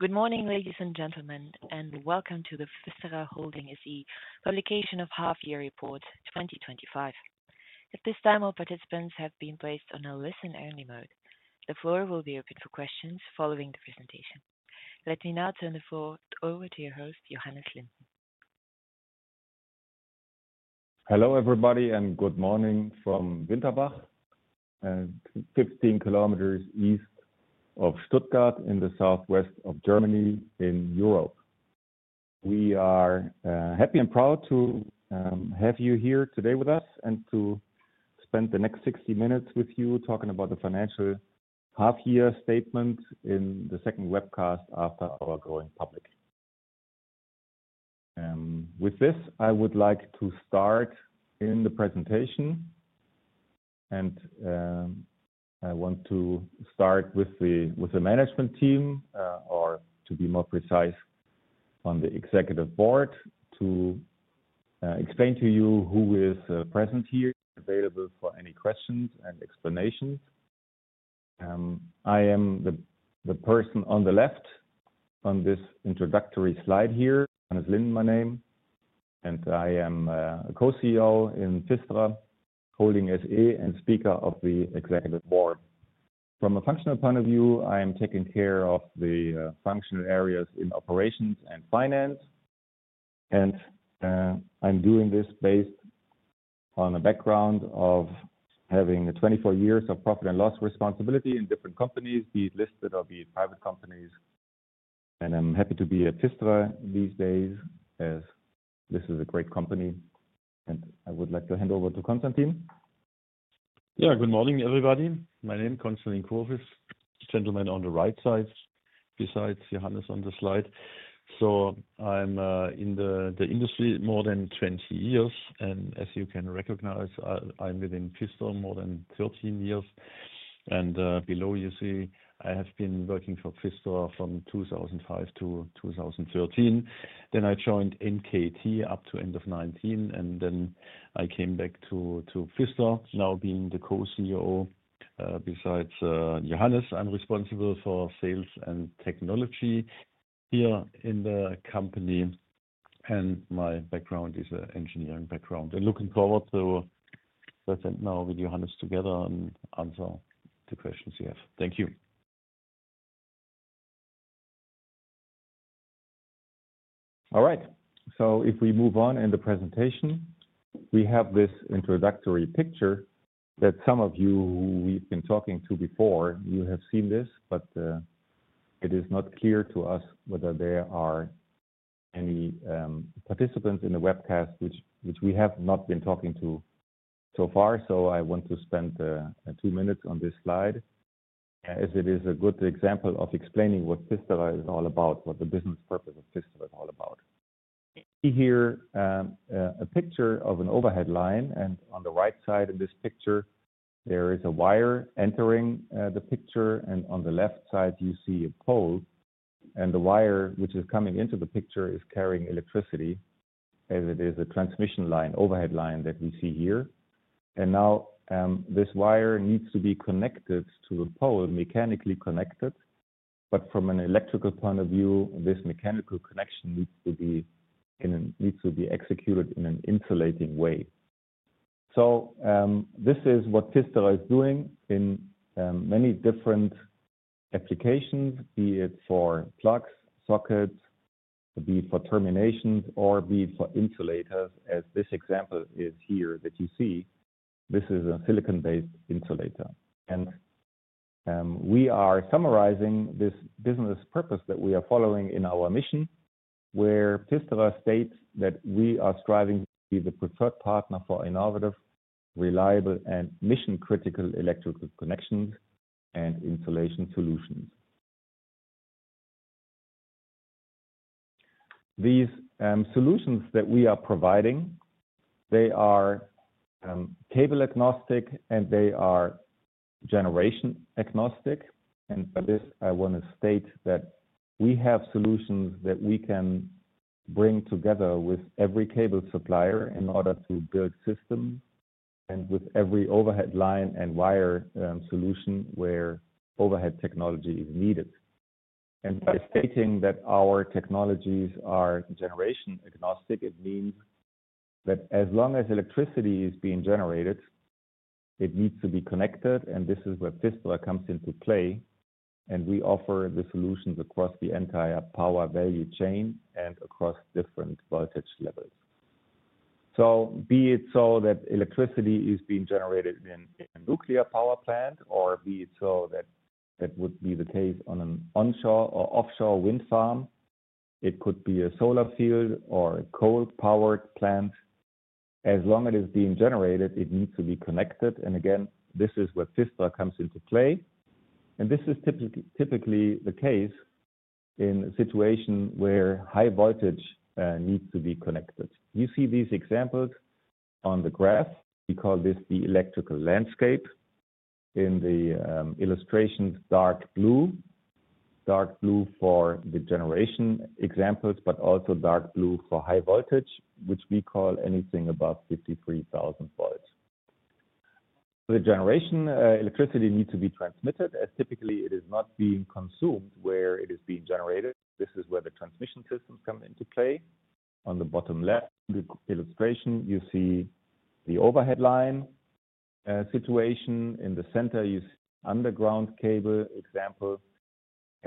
Good morning, ladies and gentlemen, and welcome to the PFISTERER Holding SE Publication of Half-Year Report 2025. At this time, all participants have been placed on a listen-only mode. The floor will be open for questions following the presentation. Let me now turn the floor over to your host, Johannes Linden. Hello, everybody, and good morning from Winterbach, 15 km east of Stuttgart in the southwest of Germany in Europe. We are happy and proud to have you here today with us and to spend the next 60 minutes with you talking about the financial half-year statement in the second webcast after our going public. With this, I would like to start in the presentation, and I want to start with the management team, or to be more precise, on the Executive Board, to explain to you who is present here, available for any questions and explanations. I am the person on the left on this introductory slide here. Linden is my name, and I am a Co-CEO in PFISTERER Holding SE and Speaker of the Executive Board. From a functional point of view, I am taking care of the functional areas in operations and finance, and I'm doing this based on a background of having 24 years of profit and loss responsibility in different companies, be it listed or be it private companies. I'm happy to be at PFISTERER these days as this is a great company, and I would like to hand over to Konstantin. Yeah, good morning, everybody. My name is Dr. Konstantin Kurfiss, the gentleman on the right side, besides Johannes on the slide. I'm in the industry more than 20 years, and as you can recognize, I'm within PFISTERER more than 13 years. Below, you see, I have been working for PFISTERER from 2005 to 2013. I joined NKT up to the end of 2019, and I came back to PFISTERER. Now being the Co-CEO, besides Johannes, I'm responsible for sales and technology here in the company, and my background is an engineering background. Looking forward to working now with Johannes together and answering the questions you have. Thank you. All right, if we move on in the presentation, we have this introductory picture that some of you who we've been talking to before have seen, but it is not clear to us whether there are any participants in the webcast which we have not been talking to so far. I want to spend two minutes on this slide as it is a good example of explaining what PFISTERER is all about, what the business purpose of PFISTERER is all about. You see here a picture of an overhead line, and on the right side in this picture, there is a wire entering the picture, and on the left side, you see a pole. The wire which is coming into the picture is carrying electricity as it is a transmission line, overhead line that we see here. Now this wire needs to be connected to the pole, mechanically connected, but from an electrical point of view, this mechanical connection needs to be executed in an insulating way. This is what PFISTERER is doing in many different applications, be it for plugs, sockets, be it for terminations, or be it for insulators, as this example is here that you see. This is a silicon-based insulator. We are summarizing this business purpose that we are following in our mission, where PFISTERER states that we are striving to be the preferred partner for innovative, reliable, and mission-critical electrical connections and insulation solutions. These solutions that we are providing are cable-agnostic and they are generation-agnostic. By this, I want to state that we have solutions that we can bring together with every cable supplier in order to build systems, and with every overhead line and wire solution where overhead technology is needed. By stating that our technologies are generation-agnostic, it means that as long as electricity is being generated, it needs to be connected, and this is where PFISTERER comes into play. We offer the solutions across the entire power value chain and across different voltage levels. Be it so that electricity is being generated in a nuclear power plant, or be it so that that would be the case on an onshore or offshore wind farm, it could be a solar field or a coal-powered plant. As long as it is being generated, it needs to be connected. This is where PFISTERER comes into play. This is typically the case in a situation where high voltage needs to be connected. You see these examples on the graph. We call this the electrical landscape. In the illustration, dark blue, dark blue for the generation examples, but also dark blue for high voltage, which we call anything above 53,000 volts. The generation electricity needs to be transmitted, as typically it is not being consumed where it is being generated. This is where the transmission systems come into play. On the bottom left illustration, you see the overhead line situation. In the center, you see an underground cable example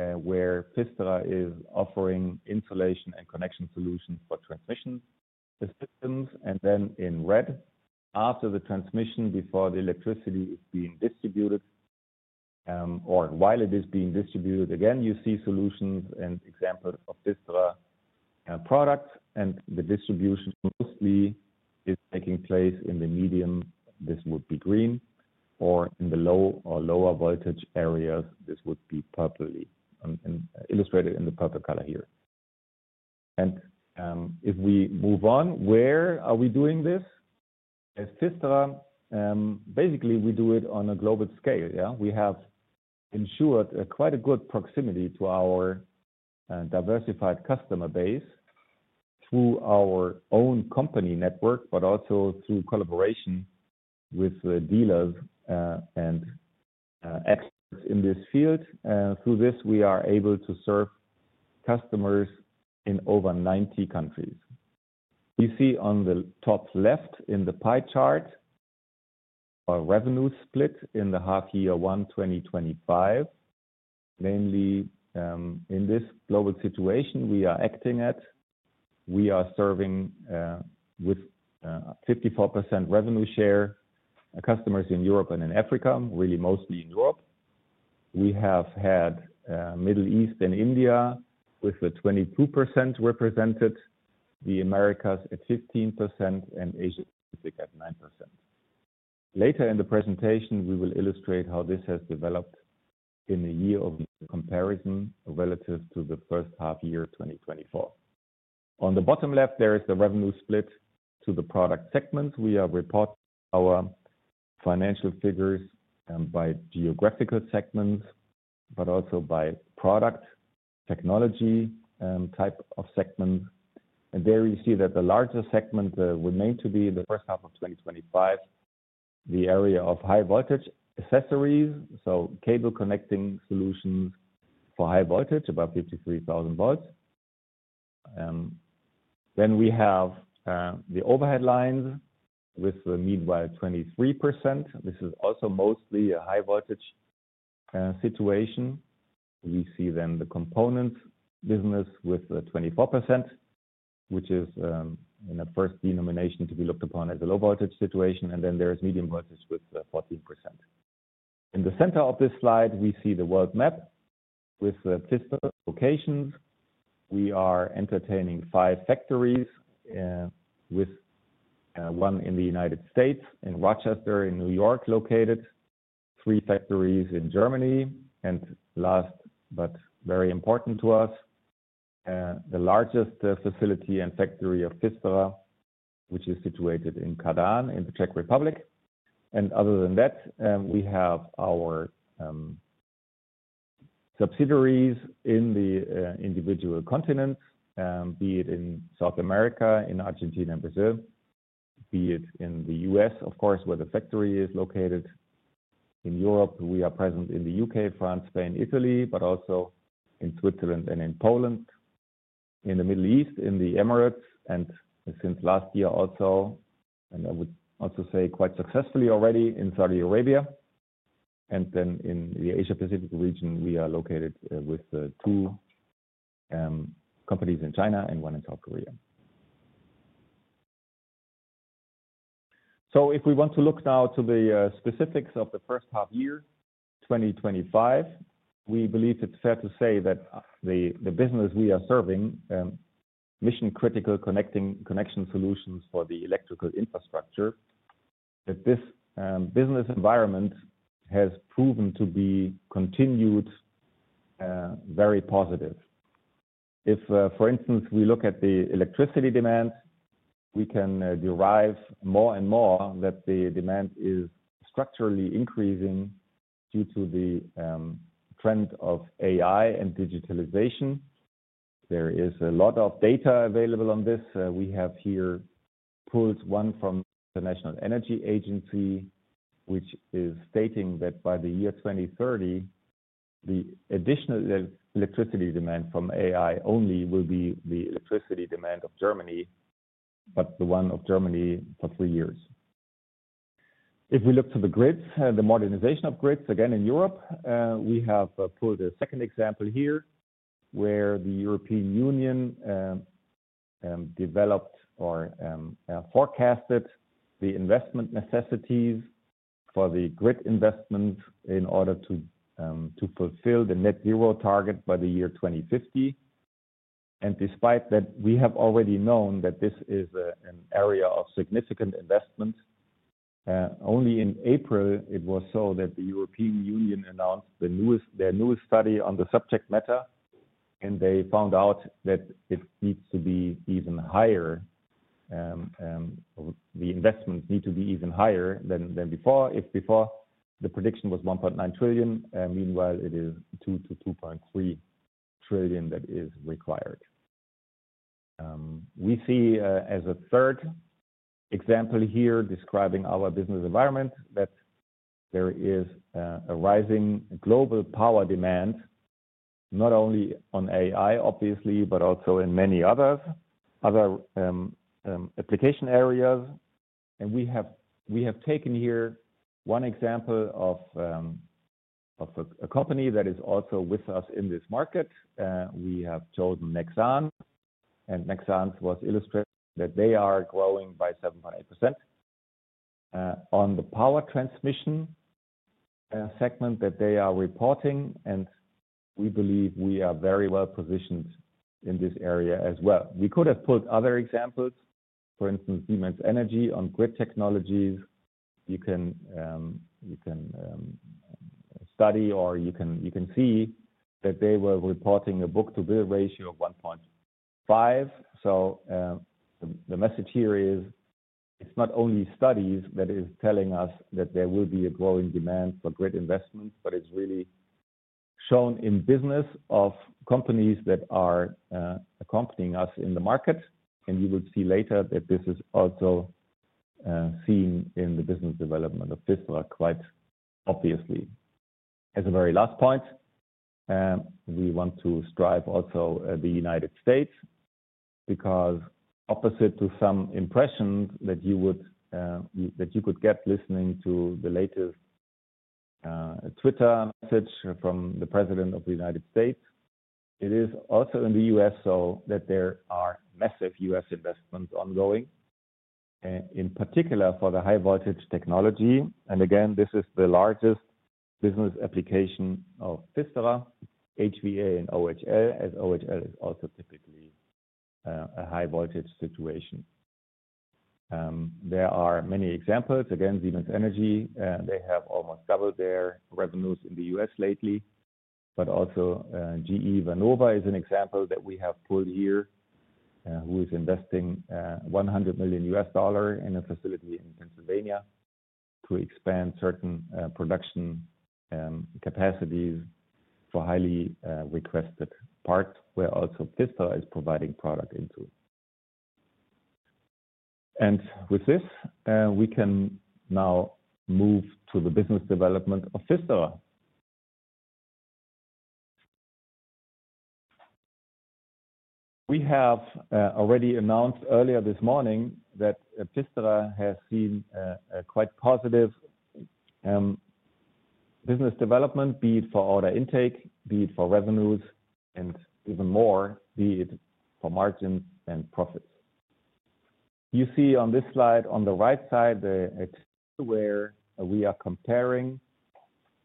where PFISTERER is offering insulation and connection solutions for transmission systems. In red, after the transmission, before the electricity is being distributed, or while it is being distributed, again, you see solutions and examples of PFISTERER products. The distribution mostly is taking place in the medium. This would be green, or in the low or lower voltage areas, this would be illustrated in the purple color here. If we move on, where are we doing this? As PFISTERER, basically, we do it on a global scale. We have ensured quite a good proximity to our diversified customer base through our own company network, but also through collaboration with dealers and experts in this field. Through this, we are able to serve customers in over 90 countries. You see on the top left in the pie chart our revenue split in the half-year one 2025. Namely, in this global situation we are acting at, we are serving with a 54% revenue share customers in Europe and in Africa, really mostly in Europe. We have had Middle East and India with a 22% represented, the Americas at 15%, and Asia-Pacific at 9%. Later in the presentation, we will illustrate how this has developed in the year of comparison relative to the first half-year 2024. On the bottom left, there is the revenue split to the product segments. We are reporting our financial figures by geographical segments, but also by product technology type of segments. There you see that the larger segment remains to be in the first half of 2025, the area of high-voltage accessories, so cable connecting solutions for high voltage above 53,000 volts. Then we have the overhead lines with the meanwhile 23%. This is also mostly a high voltage situation. We see then the components business with the 24%, which is in the first denomination to be looked upon as a low voltage situation, and then there is medium voltage with 14%. In the center of this slide, we see the world map with PFISTERER locations. We are entertaining five factories, with one in the United States, in Rochester, in New York located, three factories in Germany, and last but very important to us, the largest facility and factory of PFISTERER, which is situated in Kladno in the Czech Republic. Other than that, we have our subsidiaries in the individual continents, be it in South America, in Argentina and Brazil, be it in the U.S., of course, where the factory is located. In Europe, we are present in the U.K., France, Spain, Italy, but also in Switzerland and in Poland. In the Middle East, in the Emirates, and since last year also, and I would also say quite successfully already in Saudi Arabia. In the Asia-Pacific region, we are located with two companies in China and one in South Korea. If we want to look now to the specifics of the first half-year 2025, we believe it's fair to say that the business we are serving, mission-critical connection solutions for the electrical infrastructure, that this business environment has proven to be continued very positive. If, for instance, we look at the electricity demand, we can derive more and more that the demand is structurally increasing due to the trend of AI and digitalization. There is a lot of data available on this. We have here pulled one from the International Energy Agency, which is stating that by the year 2030, the additional electricity demand from AI only will be the electricity demand of Germany, but the one of Germany for three years. If we look to the grids, the modernization of grids, again in Europe, we have pulled a second example here where the European Union developed or forecasted the investment necessities for the grid investments in order to fulfill the net zero target by the year 2050. Despite that, we have already known that this is an area of significant investment. Only in April, it was so that the European Union announced their newest study on the subject matter, and they found out that it needs to be even higher. The investments need to be even higher than before. If before, the prediction was 1.9 trillion, meanwhile, it is 2-2.3 trillion that is required. We see as a third example here describing our business environment that there is a rising global power demand, not only on AI, obviously, but also in many other application areas. We have taken here one example of a company that is also with us in this market. We have chosen Nexans. Nexans was illustrated that they are growing by 7.8% on the power transmission segment that they are reporting. We believe we are very well positioned in this area as well. We could have pulled other examples, for instance, Siemens Energy on grid technologies. You can study or you can see that they were reporting a book-to-build ratio of 1.5. The message here is it's not only studies that are telling us that there will be a growing demand for grid investment, but it's really shown in business of companies that are accompanying us in the market. You will see later that this is also seen in the business development of PFISTERER quite obviously. As a very last point, we want to strive also the United States because opposite to some impressions that you could get listening to the latest Twitter message from the President of the United States, it is also in the U.S. so that there are massive U.S. investments ongoing, in particular for the high voltage technology. Again, this is the largest business application of PFISTERER, HVA and OHL, as OHL is also typically a high voltage situation. There are many examples. Again, Siemens Energy, they have almost doubled their revenues in the U.S. lately. Also, GE Vernova is an example that we have pulled here, who is investing $100 million in a facility in Pennsylvania to expand certain production capacities for highly requested parts where also PFISTERER is providing product into. With this, we can now move to the business development of PFISTERER. We have already announced earlier this morning that PFISTERER has seen a quite positive business development, be it for order intake, be it for revenues, and even more, be it for margin and profits. You see on this slide on the right side where we are comparing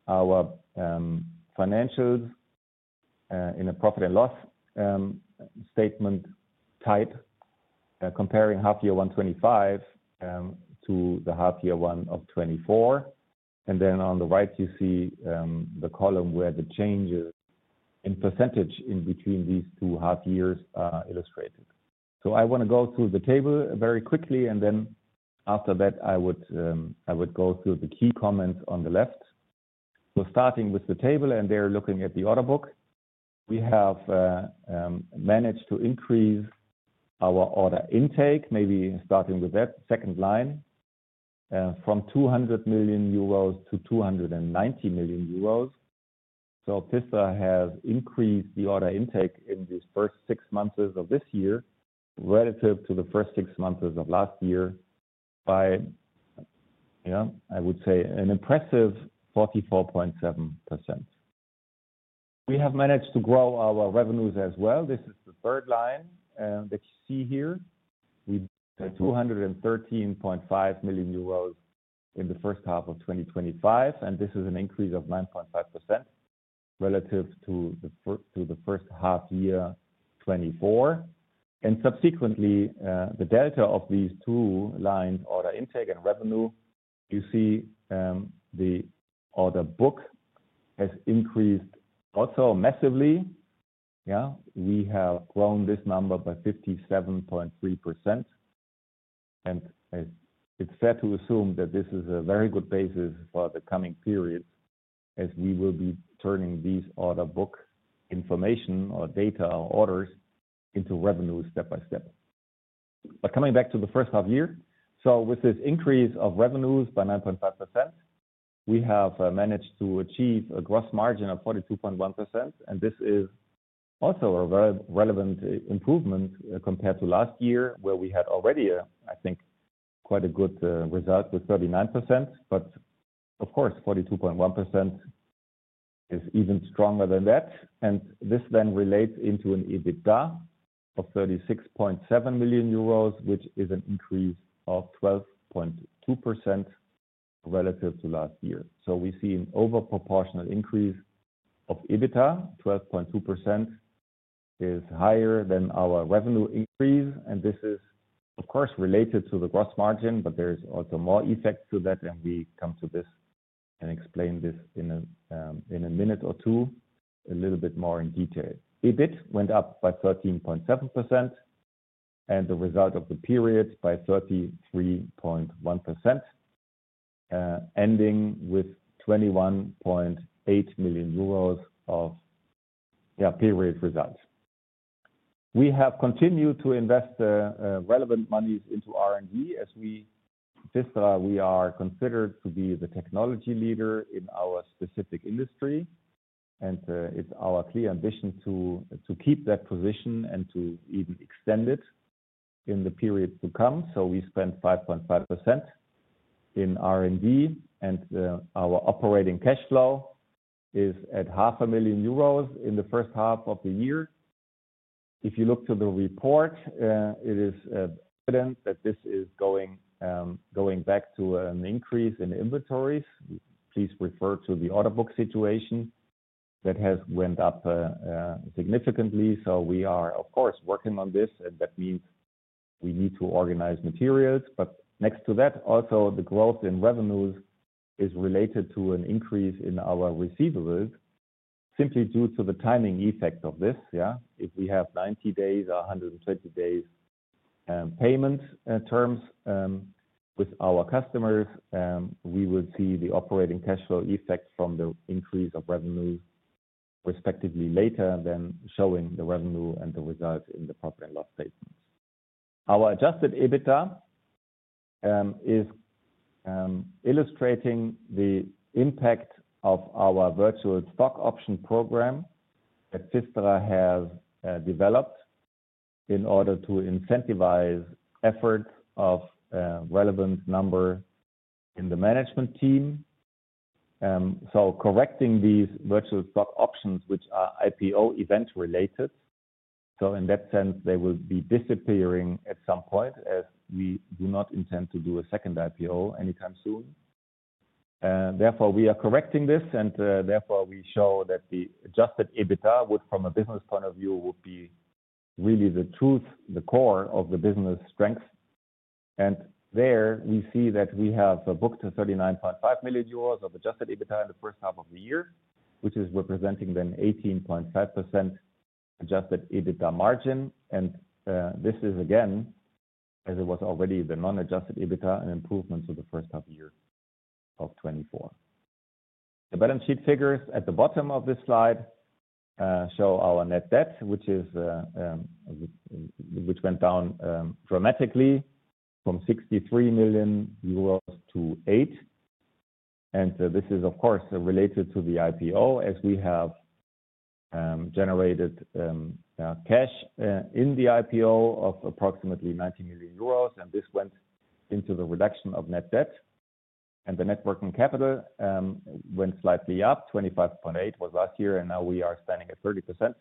our financials in a profit and loss statement type, comparing half-year one 2025 to the half-year one of 2024. On the right, you see the column where the changes in percentage in between these two half-years are illustrated. I want to go through the table very quickly, and then after that, I would go through the key comments on the left. We're starting with the table, and they're looking at the order book. We have managed to increase our order intake, maybe starting with that second line, from 200 million-290 million euros. PFISTERER has increased the order intake in these first six months of this year relative to the first six months of last year by, yeah, I would say an impressive 44.7%. We have managed to grow our revenues as well. This is the third line that you see here. We've had 213.5 million euros in the first half of 2025, and this is an increase of 9.5% relative to the first half-year 2024. Subsequently, the delta of these two lines, order intake and revenue, you see the order book has increased also massively. We have grown this number by 57.3%. It's fair to assume that this is a very good basis for the coming period as we will be turning these order book information or data or orders into revenue step by step. Coming back to the first half-year, with this increase of revenues by 9.5%, we have managed to achieve a gross margin of 42.1%. This is also a relevant improvement compared to last year where we had already, I think, quite a good result with 39%. Of course, 42.1% is even stronger than that. This then relates into an EBITDA of 36.7 million euros, which is an increase of 12.2% relative to last year. We see an overproportional increase of EBITDA. 12.2% is higher than our revenue increase. This is, of course, related to the gross margin, but there is also more effect to that. We come to this and explain this in a minute or two a little bit more in detail. EBITDA went up by 13.7% and the result of the period by 33.1%, ending with 21.8 million euros of, yeah, period results. We have continued to invest the relevant monies into R&D. As we at PFISTERER, we are considered to be the technology leader in our specific industry. It's our clear ambition to keep that position and to even extend it in the period to come. We spent 5.5% in R&D, and our operating cash flow is at half a million euros in the first half of the year. If you look to the report, it is evident that this is going back to an increase in inventories. Please refer to the order book situation that has went up significantly. We are, of course, working on this, and that means we need to organize materials. Next to that, also the growth in revenues is related to an increase in our receivables simply due to the timing effect of this. Yeah, if we have 90 days or 120 days payment terms with our customers, we will see the operating cash flow effects from the increase of revenue respectively later than showing the revenue and the results in the profit and loss statement. Our adjusted EBITDA is illustrating the impact of our virtual stock option program that PFISTERER has developed in order to incentivize efforts of relevant numbers in the management team. Correcting these virtual stock options, which are IPO event-related, in that sense, they will be disappearing at some point as we do not intend to do a second IPO anytime soon. Therefore, we are correcting this, and therefore we show that the adjusted EBITDA would, from a business point of view, be really the truth, the core of the business strength. There you see that we have booked 39.5 million euros of adjusted EBITDA in the first half of the year, which is representing then 18.5% adjusted EBITDA margin. This is again, as it was already, the non-adjusted EBITDA and improvements of the first half of the year of 2024. The balance sheet figures at the bottom of this slide show our net debt, which went down dramatically from 63 million-8 million euros. This is, of course, related to the IPO as we have generated cash in the IPO of approximately 90 million euros, and this went into the reduction of net debt. The net working capital went slightly up. 25.8% was last year, and now we are standing at 30%.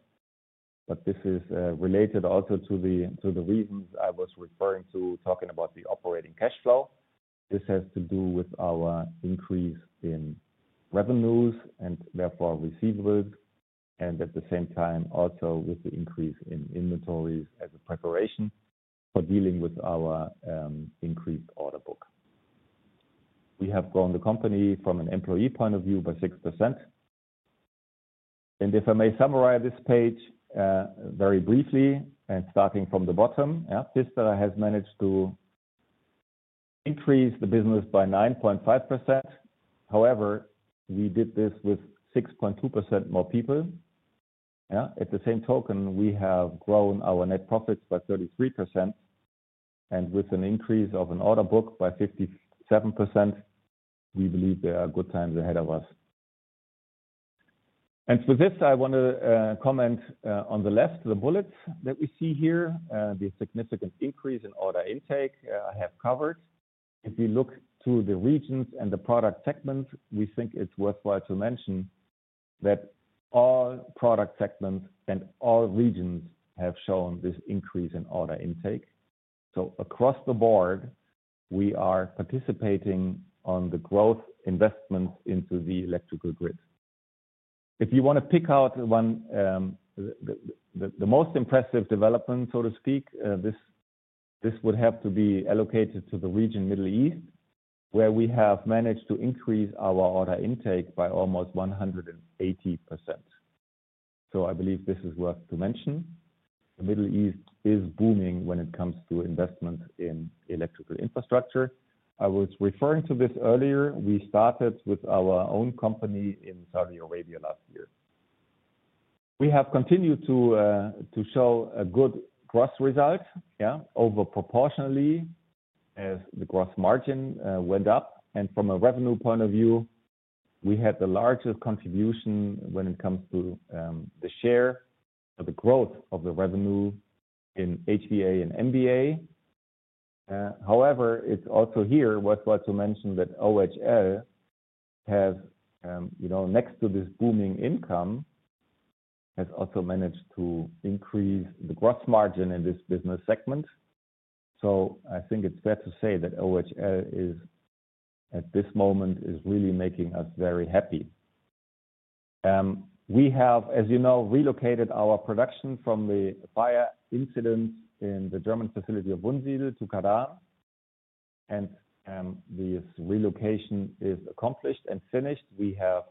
This is related also to the reasons I was referring to talking about the operating cash flow. This has to do with our increase in revenues and therefore receivables, and at the same time also with the increase in inventories as a preparation for dealing with our increased order book. We have grown the company from an employee point of view by 6%. If I may summarize this page very briefly and starting from the bottom, PFISTERER has managed to increase the business by 9.5%. However, we did this with 6.2% more people. At the same token, we have grown our net profits by 33%. With an increase of an order book by 57%, we believe there are good times ahead of us. With this, I want to comment on the left, the bullets that we see here, the significant increase in order intake I have covered. If you look through the regions and the product segments, we think it's worthwhile to mention that all product segments and all regions have shown this increase in order intake. Across the board, we are participating in the growth investments into the electrical grid. If you want to pick out the most impressive development, this would have to be allocated to the region Middle East, where we have managed to increase our order intake by almost 180%. I believe this is worth to mention. The Middle East is booming when it comes to investments in electrical infrastructure. I was referring to this earlier. We started with our own company in Saudi Arabia last year. We have continued to show a good gross result, over proportionally as the gross margin went up. From a revenue point of view, we had the largest contribution when it comes to the share of the growth of the revenue in HVA and MVA. However, it's also here worthwhile to mention that OHL has, next to this booming income, also managed to increase the gross margin in this business segment. I think it's fair to say that OHL is at this moment really making us very happy. We have, as you know, relocated our production from the fire incident in the German facility of Wunsiedel to Kladno. This relocation is accomplished and finished. We have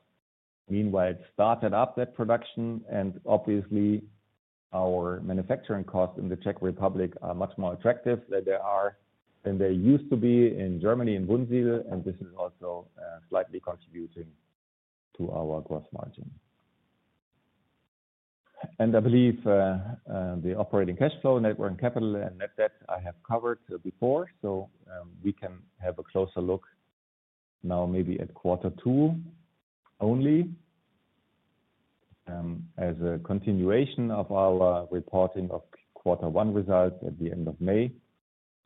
meanwhile started up that production. Obviously, our manufacturing costs in the Czech Republic are much more attractive than they used to be in Germany and Wunsiedel. This is also slightly contributing to our gross margin. I believe the operating cash flow, networking capital, and net debt I have covered before. We can have a closer look now maybe at quarter two only as a continuation of our reporting of quarter one result at the end of May.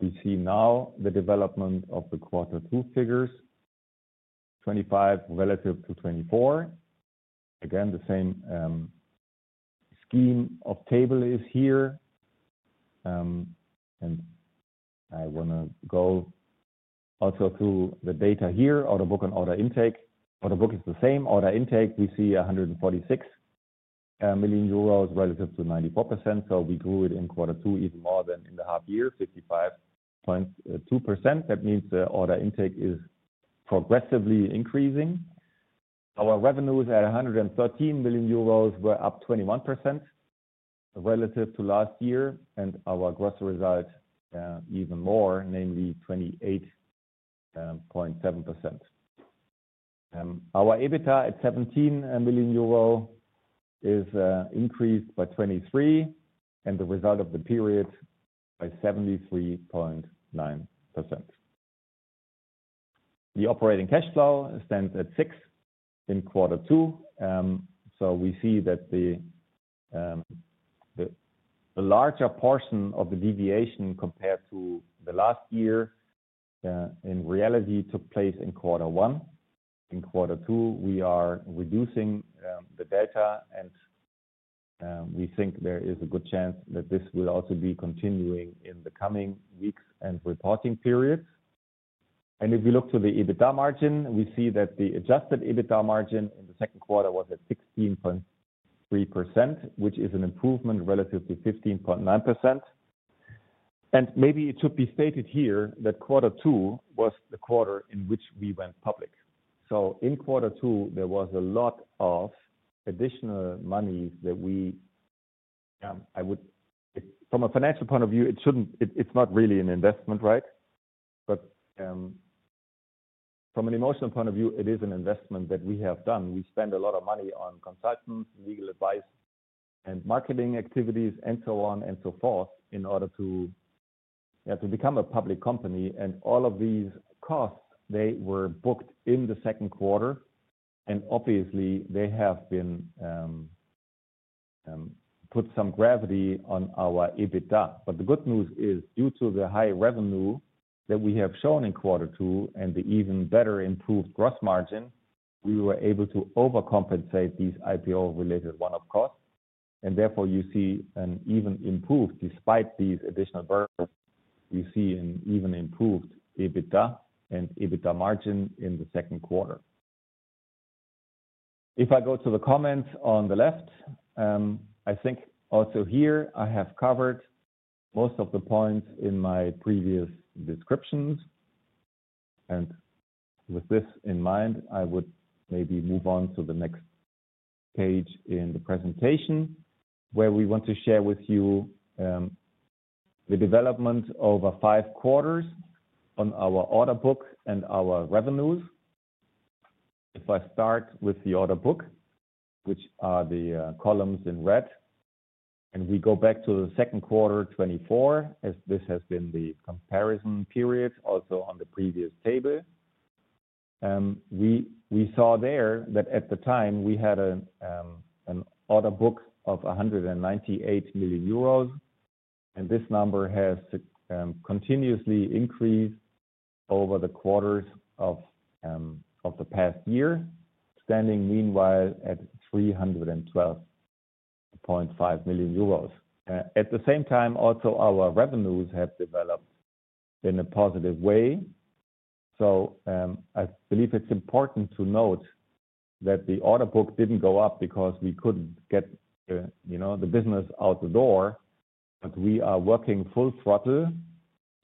We see now the development of the quarter two figures, 2025 relative to 2024. Again, the same scheme of table is here. I want to go also to the data here, order book and order intake. Order book is the same. Order intake, we see 146 million euros relative to 94%. We grew it in quarter two even more than in the half year, 55.2%. That means the order intake is progressively increasing. Our revenues at 113 million euros were up 21% relative to last year. Our gross results are even more, namely 28.7%. Our EBITDA at 17 million euro is increased by 23%. The result of the period by 73.9%. The operating cash flow stands at 6% in quarter two. We see that the larger portion of the deviation compared to last year, in reality, took place in quarter one. In quarter two, we are reducing the delta. We think there is a good chance that this will also be continuing in the coming weeks and reporting periods. If you look to the EBITDA margin, we see that the adjusted EBITDA margin in the second quarter was at 16.3%, which is an improvement relative to 15.9%. It should be stated here that quarter two was the quarter in which we went public. In quarter two, there was a lot of additional money that we, from a financial point of view, it shouldn't, it's not really an investment, right? From an emotional point of view, it is an investment that we have done. We spend a lot of money on consultants, legal advice, and marketing activities, and so on and so forth in order to become a public company. All of these costs were booked in the second quarter. Obviously, they have put some gravity on our EBITDA. The good news is due to the high revenue that we have shown in quarter two and the even better improved gross margin, we were able to overcompensate these IPO-related one-off costs. Therefore, you see an even improved, despite these additional burden, you see an even improved EBITDA and EBITDA margin in the second quarter. If I go to the comments on the left, I think also here I have covered most of the points in my previous descriptions. With this in mind, I would maybe move on to the next page in the presentation where we want to share with you the development over five quarters on our order book and our revenues. If I start with the order book, which are the columns in red, and we go back to the second quarter 2024, as this has been the comparison period also on the previous table, we saw there that at the time we had an order book of 198 million euros. This number has continuously increased over the quarters of the past year, standing meanwhile at 312.5 million euros. At the same time, also our revenues have developed in a positive way. I believe it's important to note that the order book didn't go up because we couldn't get the business out the door. We are working full throttle.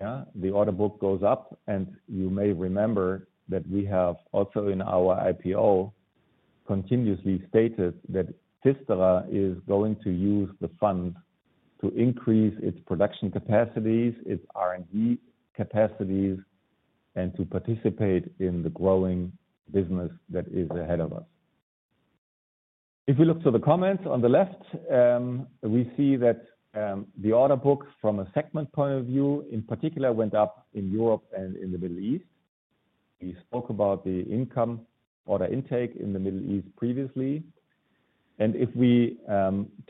The order book goes up. You may remember that we have also in our IPO continuously stated that PFISTERER is going to use the fund to increase its production capacities, its R&D capacities, and to participate in the growing business that is ahead of us. If we look to the comments on the left, we see that the order book from a segment point of view in particular went up in Europe and in the Middle East. We spoke about the order intake in the Middle East previously. If we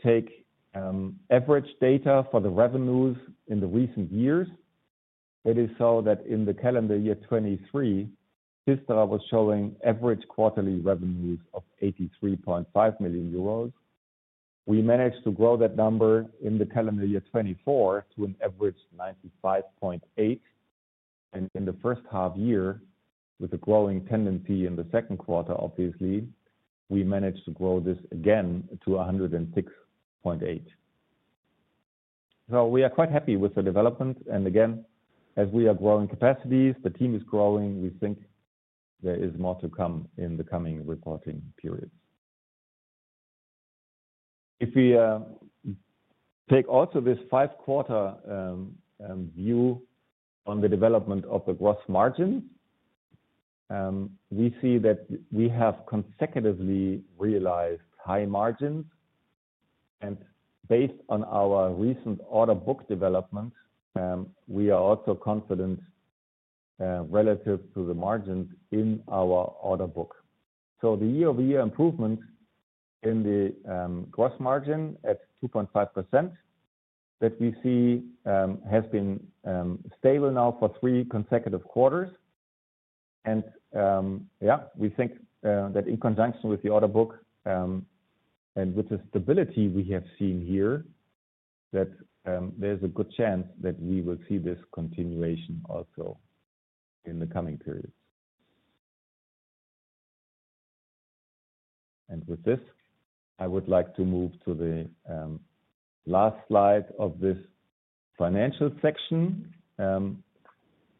take average data for the revenues in the recent years, it is so that in the calendar year 2023, PFISTERER was showing average quarterly revenues of 83.5 million euros. We managed to grow that number in the calendar year 2024 to an average of 95.8 million. In the first half year, with a growing tendency in the second quarter, obviously, we managed to grow this again to 106.8 million. We are quite happy with the development. As we are growing capacities, the team is growing. We think there is more to come in the coming reporting period. If we take also this five-quarter view on the development of the gross margin, we see that we have consecutively realized high margins. Based on our recent order book developments, we are also confident relative to the margins in our order book. The year-over-year improvement in the gross margin at 2.5% that we see has been stable now for three consecutive quarters. We think that in conjunction with the order book and with the stability we have seen here, there's a good chance that we will see this continuation also in the coming periods. With this, I would like to move to the last slide of this financial section.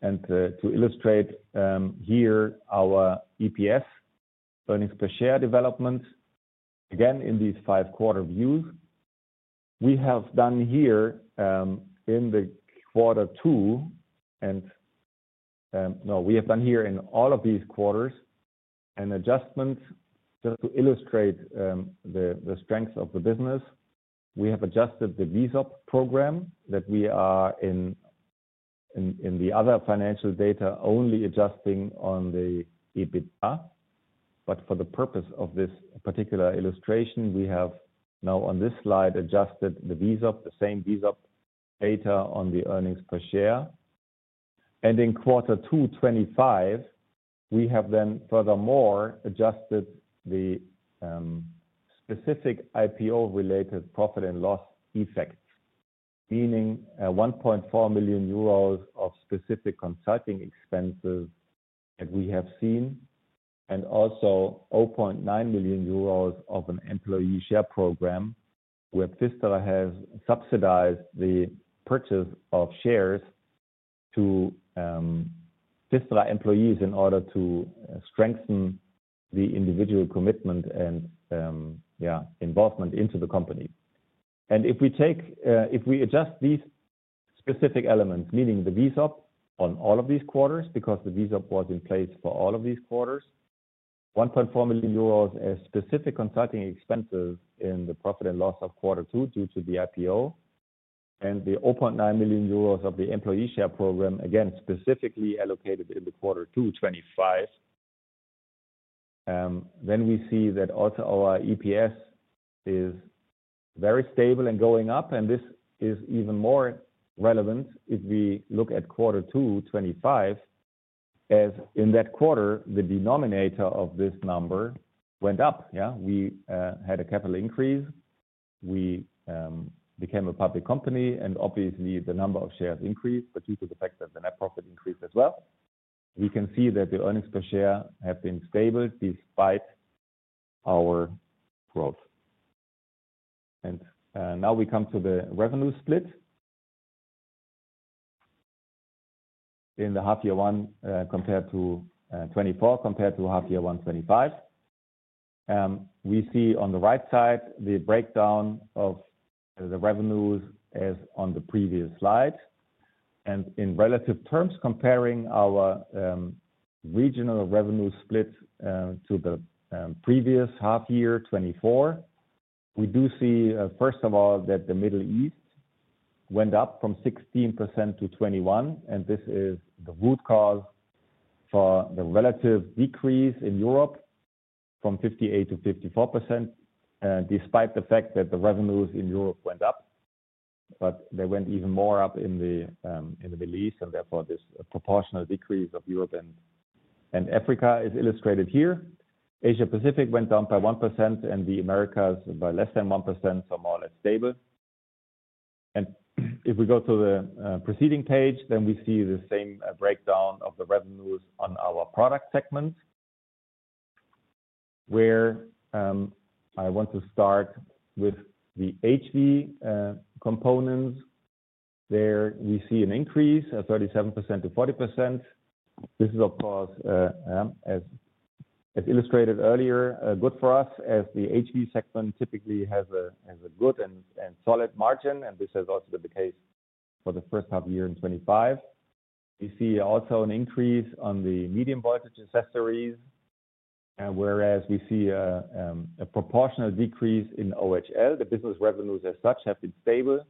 To illustrate here our EPS, earnings per share development, again in these five-quarter views, we have done here in the quarter two, and no, we have done here in all of these quarters an adjustment just to illustrate the strengths of the business. We have adjusted the VISOP program that we are in the other financial data only adjusting on the EBITDA. For the purpose of this particular illustration, we have now on this slide adjusted the VISOP, the same VISOP data on the earnings per share. In quarter 2 2025, we have then furthermore adjusted the specific IPO-related profit and loss effects, meaning 1.4 million euros of specific consulting expenses that we have seen, and also 0.9 million euros of an employee share program where PFISTERER has subsidized the purchase of shares to PFISTERER employees in order to strengthen the individual commitment and involvement into the company. If we adjust these specific elements, meaning the VISOP on all of these quarters, because the VISOP was in place for all of these quarters, 1.4 million euros as specific consulting expenses in the profit and loss of quarter two due to the IPO, and the 0.9 million euros of the employee share program, again, specifically allocated in quarter 2025, we see that also our EPS is very stable and going up. This is even more relevant if we look at quarter 2025, as in that quarter, the denominator of this number went up. We had a capital increase. We became a public company, and obviously, the number of shares increased, but due to the fact that the net profit increased as well, we can see that the earnings per share have been stable despite our growth. Now we come to the revenue split in half-year one compared to 2024, compared to half-year one 2025. We see on the right side the breakdown of the revenues as on the previous slide. In relative terms, comparing our regional revenue split to the previous half-year 2024, we do see, first of all, that the Middle East went up from 16% to 21%. This is the root cause for the relative decrease in Europe from 58% to 54%, despite the fact that the revenues in Europe went up. They went even more up in the Middle East, and therefore, this proportional decrease of Europe and Africa is illustrated here. Asia-Pacific went down by 1%, and the Americas by less than 1%, so more or less stable. If we go to the preceding page, we see the same breakdown of the revenues on our product segment, where I want to start with the HV components. There we see an increase of 37% to 40%. This is, of course, as illustrated earlier, good for us as the HV segment typically has a good and solid margin. This has also been the case for the first half of the year in 2025. We see also an increase on the medium voltage accessories, whereas we see a proportional decrease in OHL. The business revenues as such have been stable,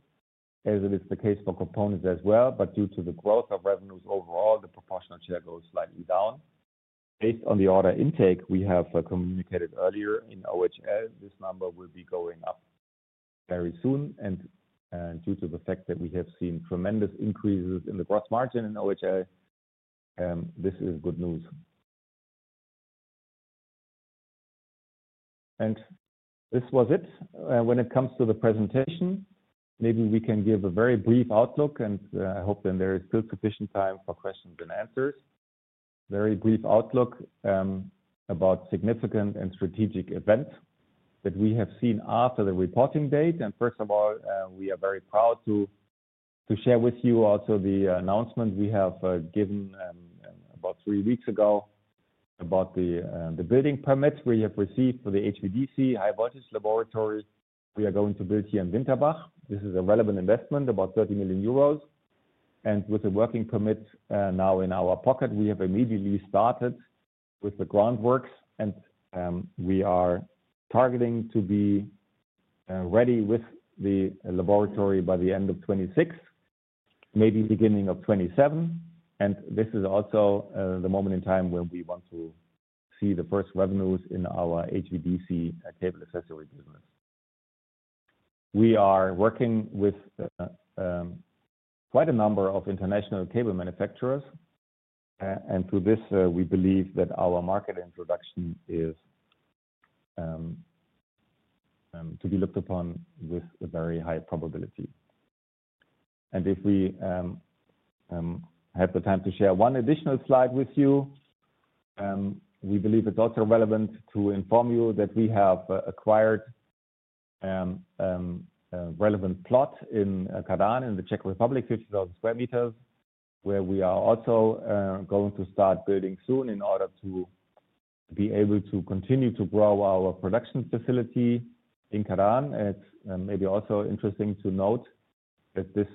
as it is the case for components as well. Due to the growth of revenues overall, the proportional share goes slightly down. Based on the order intake we have communicated earlier in OHL, this number will be going up very soon. Due to the fact that we have seen tremendous increases in the gross margin in OHL, this is good news. This was it. When it comes to the presentation, maybe we can give a very brief outlook, and I hope then there is still sufficient time for questions and answers. A very brief outlook about significant and strategic events that we have seen after the reporting date. First of all, we are very proud to share with you also the announcement we have given about three weeks ago about the building permits we have received for the HVDC, High Voltage Laboratory. We are going to build here in Winterbach. This is a relevant investment, about 30 million euros. With a working permit now in our pocket, we have immediately started with the groundworks. We are targeting to be ready with the laboratory by the end of 2026, maybe beginning of 2027. This is also the moment in time when we want to see the first revenues in our HVDC cable accessory business. We are working with quite a number of international cable manufacturers. Through this, we believe that our market introduction is to be looked upon with a very high probability. If we have the time to share one additional slide with you, we believe it's also relevant to inform you that we have acquired a relevant plot in Kladno in the Czech Republic, 50,000 square meters, where we are also going to start building soon in order to be able to continue to grow our production facility in Kladno. It's maybe also interesting to note that this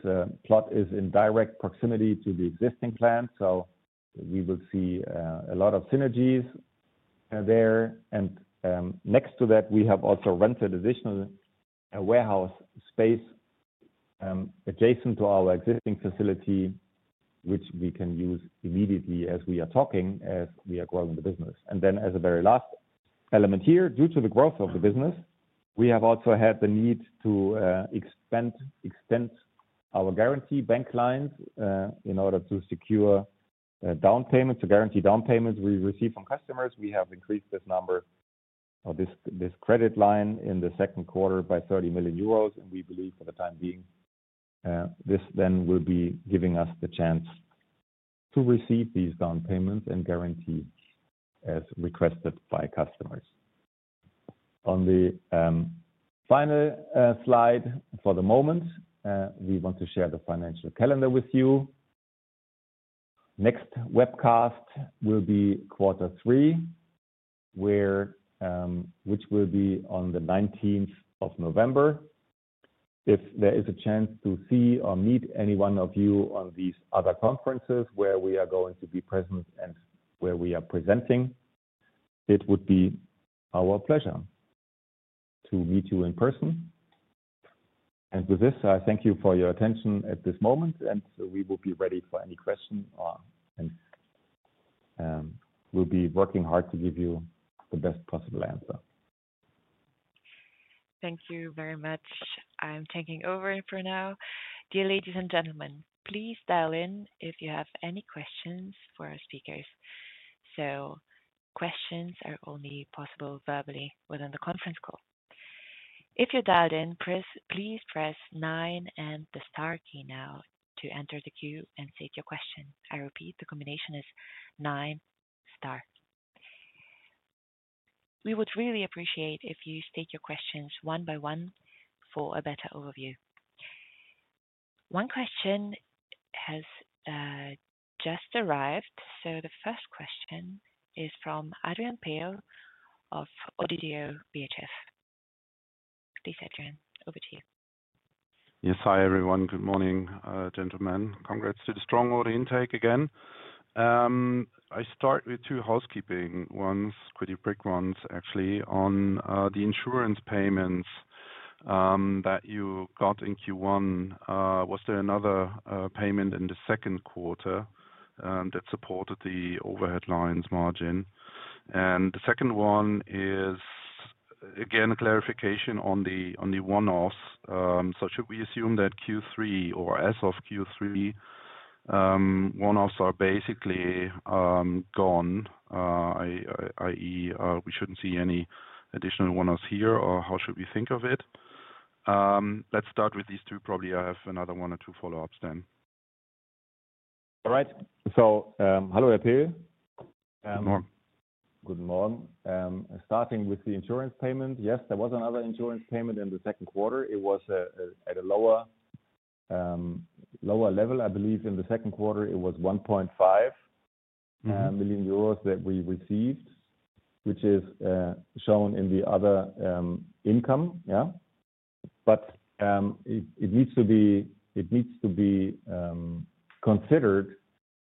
plot is in direct proximity to the existing plant. We will see a lot of synergies there. Next to that, we have also rented additional warehouse space adjacent to our existing facility, which we can use immediately as we are talking, as we are growing the business. As a very last element here, due to the growth of the business, we have also had the need to extend our guarantee bank lines in order to secure down payments, to guarantee down payments we receive from customers. We have increased this number or this credit line in the second quarter by 30 million euros. We believe for the time being, this then will be giving us the chance to receive these down payments and guarantees as requested by customers. On the final slide for the moment, we want to share the financial calendar with you. Next webcast will be quarter three, which will be on the 19th of November. If there is a chance to see or meet any one of you on these other conferences where we are going to be present and where we are presenting, it would be our pleasure to meet you in person. Thank you for your attention at this moment. We will be ready for any questions, and we'll be working hard to give you the best possible answer. Thank you very much. I'm taking over for now. Dear ladies and gentlemen, please dial in if you have any questions for our speakers. Questions are only possible verbally within the conference call. If you're dialed in, please press nine and the star key now to enter the queue and state your question. I repeat, the combination is nine star. We would really appreciate if you state your questions one by one for a better overview. One question has just arrived. The first question is from Adrian Pe of Oddo BHF. Please, Adrian, over to you. Yes, hi everyone. Good morning, gentlemen. Congrats to the strong order intake again. I start with two housekeeping ones, pretty quick ones actually, on the insurance payments that you got in Q1. Was there another payment in the second quarter that supported the overhead lines margin? The second one is again a clarification on the one-offs. Should we assume that Q3 or as of Q3, one-offs are basically gone? I.e., we shouldn't see any additional one-offs here or how should we think of it? Let's start with these two. Probably I have another one or two follow-ups then. All right. Hello there, Perl. Good morning. Good morning. Starting with the insurance payment, yes, there was another insurance payment in the second quarter. It was at a lower level. I believe in the second quarter, it was 1.5 million euros that we received, which is shown in the other income. Yeah. It needs to be considered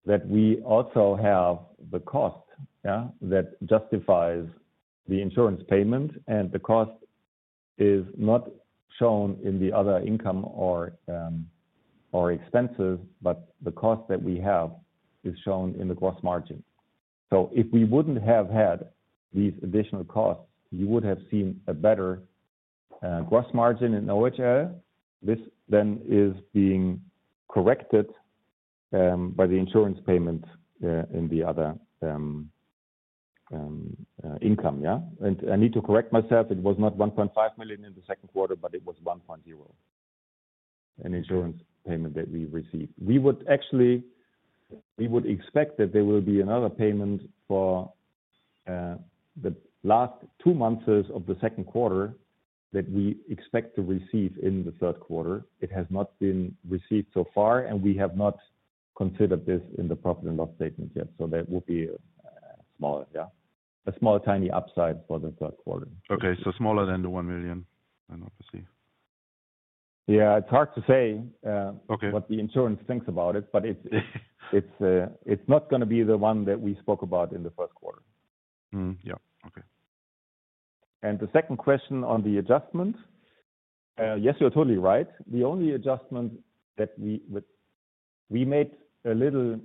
that we also have the cost that justifies the insurance payment, and the cost is not shown in the other income or expenses, but the cost that we have is shown in the gross margin. If we wouldn't have had these additional costs, you would have seen a better gross margin in OHL. This is being corrected by the insurance payment in the other income. Yeah. I need to correct myself. It was not 1.5 million in the second quarter, but it was 1.0 million in the insurance payment that we received. We would actually, we would expect that there will be another payment for the last two months of the second quarter that we expect to receive in the third quarter. It has not been received so far, and we have not considered this in the profit and loss statement yet. That would be a small, yeah, a small tiny upside for the third quarter. Okay, so smaller than the 1 million I noticed. Yeah, it's hard to say what the insurance thinks about it, but it's not going to be the one that we spoke about in the first quarter. Yeah, okay. The second question on the adjustment, yes, you're totally right. The only adjustment that we made, we made a little,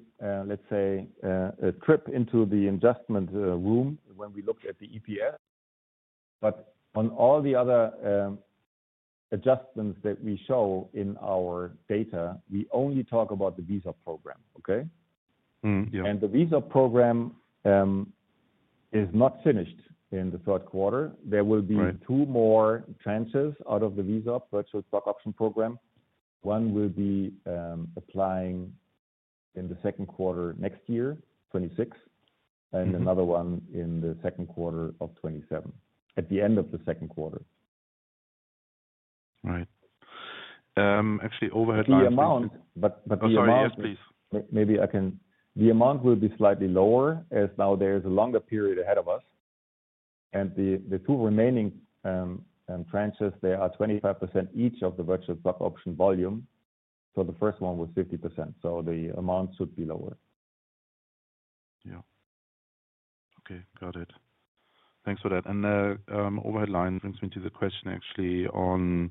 let's say, a trip into the adjustment room when we looked at the EPS. On all the other adjustments that we show in our data, we only talk about the VISOP program, okay? Yeah. The VISOP program is not finished in the third quarter. There will be two more tranches out of the VISOP virtual stock option program. One will be applying in the second quarter next year, 2026, and another one in the second quarter of 2027, at the end of the second quarter. Right. Actually, overhead lines. The amount. The amount. Yes, please. Maybe I can. The amount will be slightly lower as now there is a longer period ahead of us. The two remaining tranches, they are 25% each of the virtual stock option volume. The first one was 50%. The amount should be lower. Yeah. Okay, got it. Thanks for that. The overhead line brings me to the question actually on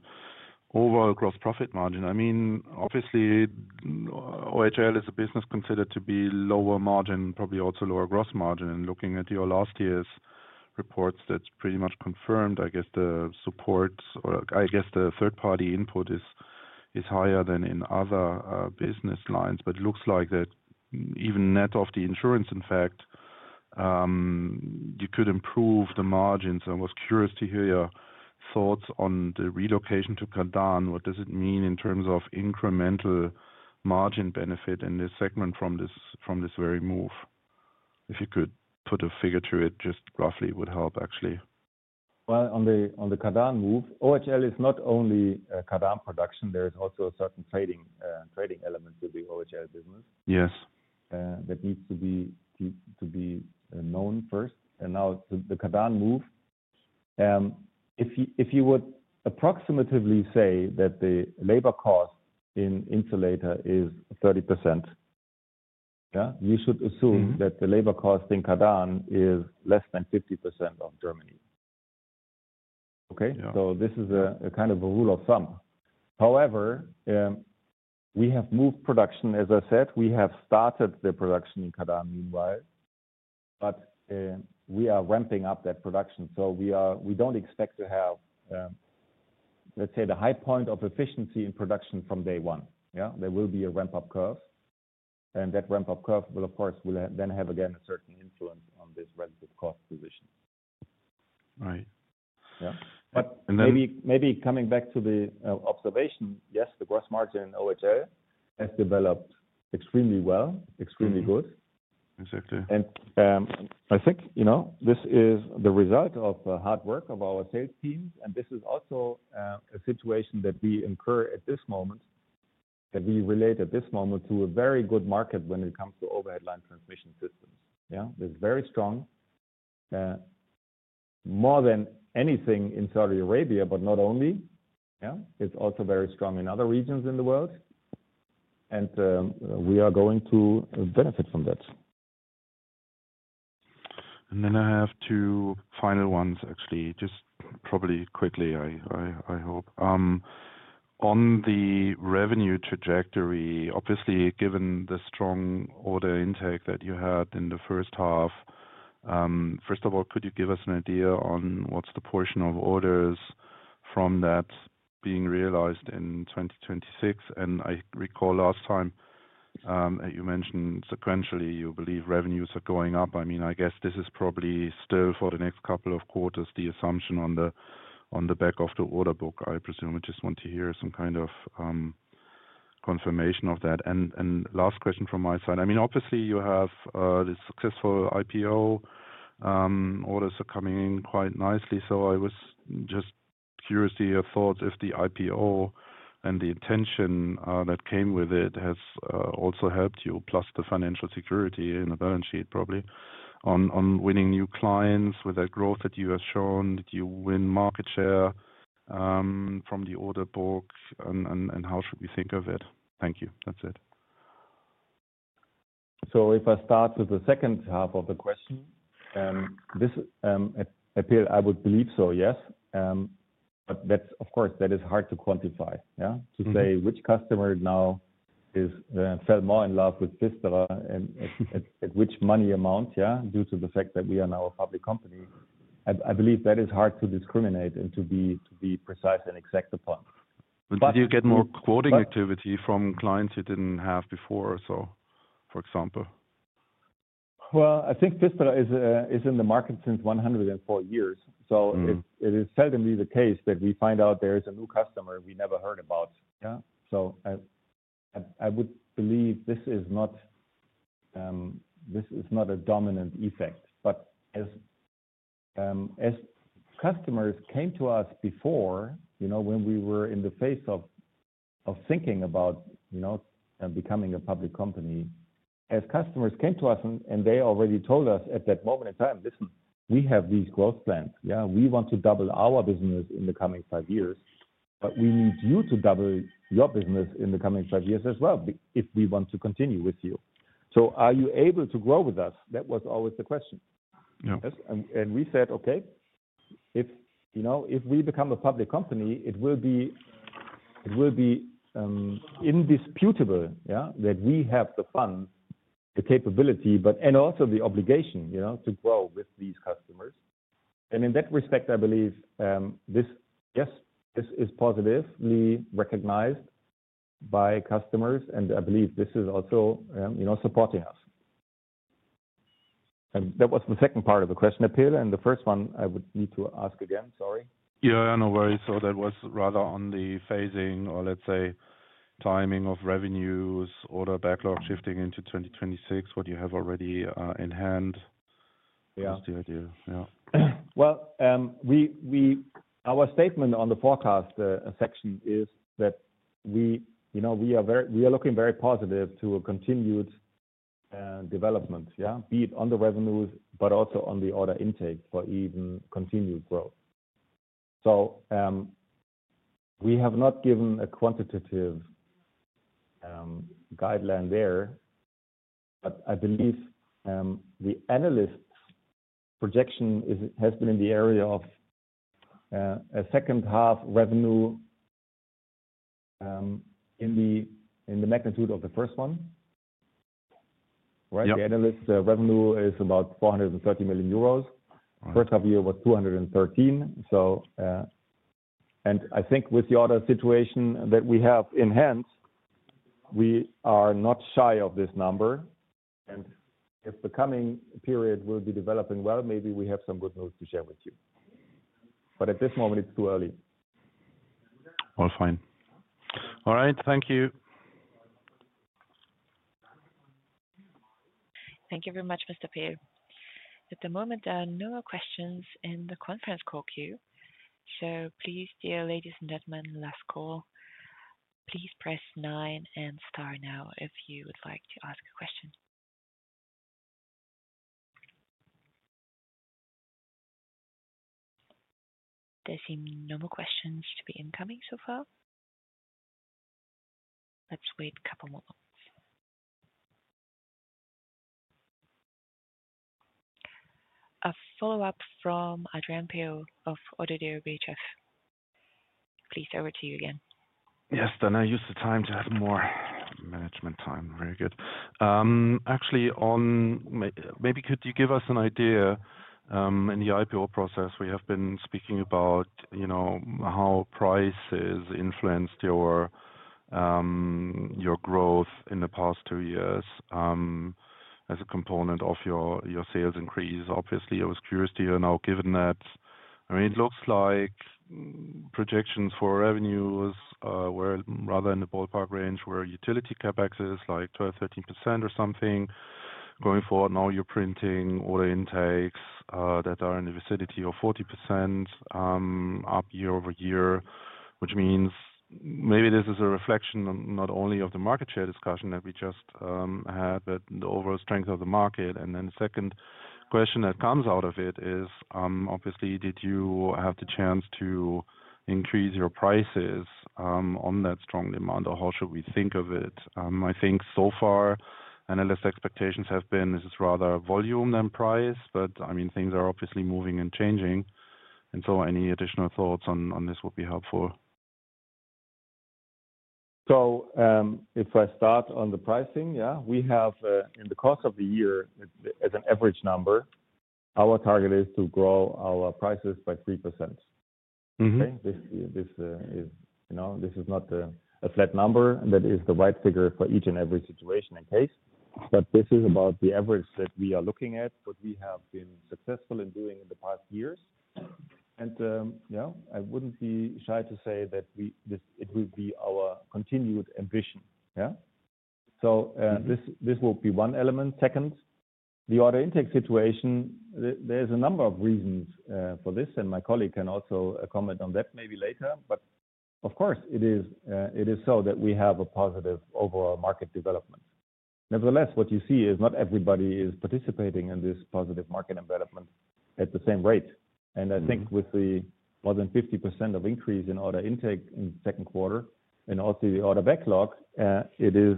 overall gross profit margin. I mean, obviously, OHL is a business considered to be lower margin, probably also lower gross margin. Looking at your last year's reports, that's pretty much confirmed. I guess the support, or I guess the third-party input is higher than in other business lines. It looks like that even net of the insurance, in fact, you could improve the margins. I was curious to hear your thoughts on the relocation to Kladno. What does it mean in terms of incremental margin benefit in this segment from this very move? If you could put a figure to it, just roughly would help actually. On the Kladno move, OHL is not only Kladno production. There is also a certain trading element to the OHL business. Yes. That needs to be known first. Now the Kladno move, if you would approximately say that the labor cost in insulator is 30%, yeah, you should assume that the labor cost in Kladno is less than 50% of Germany. Okay? Yeah. This is a kind of a rule of thumb. However, we have moved production. As I said, we have started the production in Kladno meanwhile, but we are ramping up that production. We don't expect to have, let's say, the high point of efficiency in production from day one. There will be a ramp-up curve, and that ramp-up curve will, of course, then have again a certain influence on this relative cost position. Right. Yeah, maybe coming back to the observation, yes, the gross margin in OHL has developed extremely well, extremely good. Exactly. I think this is the result of hard work of our sales teams. This is also a situation that we incur at this moment, and we relate at this moment to a very good market when it comes to overhead line transmission systems. It's very strong, more than anything in Saudi Arabia, but not only. It's also very strong in other regions in the world, and we are going to benefit from that. I have two final ones, actually, just probably quickly, I hope. On the revenue trajectory, obviously, given the strong order intake that you had in the first half, first of all, could you give us an idea on what's the portion of orders from that being realized in 2026? I recall last time you mentioned sequentially, you believe revenues are going up. I guess this is probably still for the next couple of quarters, the assumption on the back of the order book, I presume. I just want to hear some kind of confirmation of that. Last question from my side. Obviously, you have this successful IPO. Orders are coming in quite nicely. I was just curious to hear your thoughts if the IPO and the attention that came with it has also helped you, plus the financial security in the balance sheet, probably, on winning new clients with that growth that you have shown, that you win market share from the order book, and how should we think of it? Thank you. That's it. If I start with the second half of the question, I think I would believe so, yes. Of course, that is hard to quantify, to say which customer now fell more in love with PFISTERER and at which money amount, due to the fact that we are now a public company. I believe that is hard to discriminate and to be precise and exact upon. Did you get more quoting activity from clients you didn't have before, for example? I think PFISTERER is in the market since 104 years. It is certainly the case that we find out there is a new customer we never heard about. I would believe this is not a dominant effect. As customers came to us before, when we were in the phase of thinking about becoming a public company, customers came to us and they already told us at that moment in time, "Listen, we have these growth plans. We want to double our business in the coming five years, but we need you to double your business in the coming five years as well if we want to continue with you. Are you able to grow with us?" That was always the question. We said, "Okay, if we become a public company, it will be indisputable that we have the fund, the capability, but also the obligation to grow with these customers." In that respect, I believe this is positively recognized by customers, and I believe this is also supporting us. That was the second part of the question, Perl, and the first one I would need to ask again, sorry. No worries. That was rather on the phasing or, let's say, timing of revenues, order backlog shifting into 2026. What do you have already in hand? Yeah. Just the idea of yeah. Our statement on the forecast section is that we are looking very positive to a continued development, yeah, be it on the revenues, but also on the order intake for even continued growth. We have not given a quantitative guideline there, but I believe the analyst's projection has been in the area of a second half revenue in the magnitude of the first one, right? The analyst's revenue is about 430 million euros. First half of the year was 213 million. I think with the other situation that we have in hand, we are not shy of this number. If the coming period will be developing well, maybe we have some good news to share with you. At this moment, it's too early. All fine. All right. Thank you. Thank you very much, Mr. Pierre. At the moment, there are no questions in the conference call queue. Please, dear ladies and gentlemen, last call, please press nine and star now if you would like to ask a question. There seem no more questions to be incoming so far. Let's wait a couple more moments. A follow-up from Adrian Perl of Oddo BHF. Please, over to you again. Yes, then I used the time to have more management time. Very good. Actually, maybe could you give us an idea in the IPO process? We have been speaking about, you know, how prices influenced your growth in the past two years as a component of your sales increase. Obviously, I was curious to hear now given that, I mean, it looks like projections for revenues were rather in the ballpark range where utility CapEx is like 12%, 13% or something. Going forward, now you're printing order intakes that are in the vicinity of 40% up year-over-year, which means maybe this is a reflection not only of the market share discussion that we just had, but the overall strength of the market. The second question that comes out of it is, obviously, did you have the chance to increase your prices on that strong demand, or how should we think of it? I think so far, analysts' expectations have been this is rather volume than price, but I mean, things are obviously moving and changing. Any additional thoughts on this would be helpful. If I start on the pricing, we have in the course of the year, as an average number, our target is to grow our prices by 3%. This is not a flat number. That is the right figure for each and every situation and case, but this is about the average that we are looking at, what we have been successful in doing in the past years. I wouldn't be shy to say that it will be our continued ambition. This will be one element. Second, the order intake situation, there's a number of reasons for this, and my colleague can also comment on that maybe later. Of course, it is so that we have a positive overall market development. Nevertheless, what you see is not everybody is participating in this positive market development at the same rate. I think with the more than 50% of increase in order intake in the second quarter and also the order backlog, it is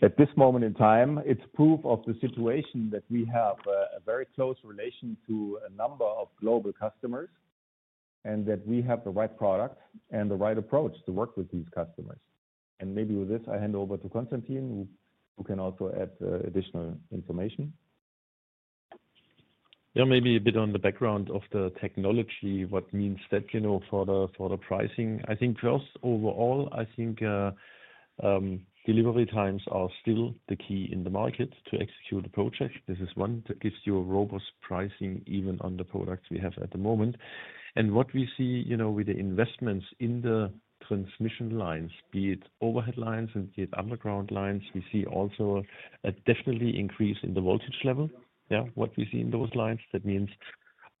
at this moment in time, it's proof of the situation that we have a very close relation to a number of global customers and that we have the right product and the right approach to work with these customers. Maybe with this, I hand over to Konstantin, who can also add additional information. Maybe a bit on the background of the technology, what means that, you know, for the pricing. I think first, overall, I think delivery times are still the key in the market to execute a project. This is one that gives you a robust pricing even on the products we have at the moment. What we see, you know, with the investments in the transmission lines, be it overhead lines and be it underground lines, we see also a definite increase in the voltage level. What we see in those lines, that means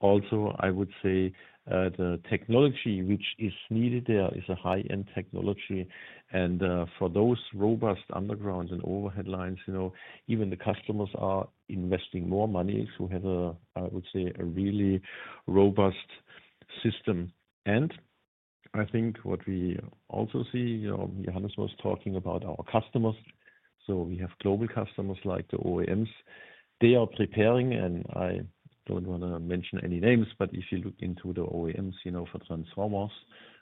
also, I would say, the technology which is needed there is a high-end technology. For those robust undergrounds and overhead lines, you know, even the customers are investing more money to have a, I would say, a really robust system. I think what we also see, Johannes was talking about our customers. We have global customers like the OEMs. They are preparing, and I don't want to mention any names, but if you look into the OEMs, you know, for transformers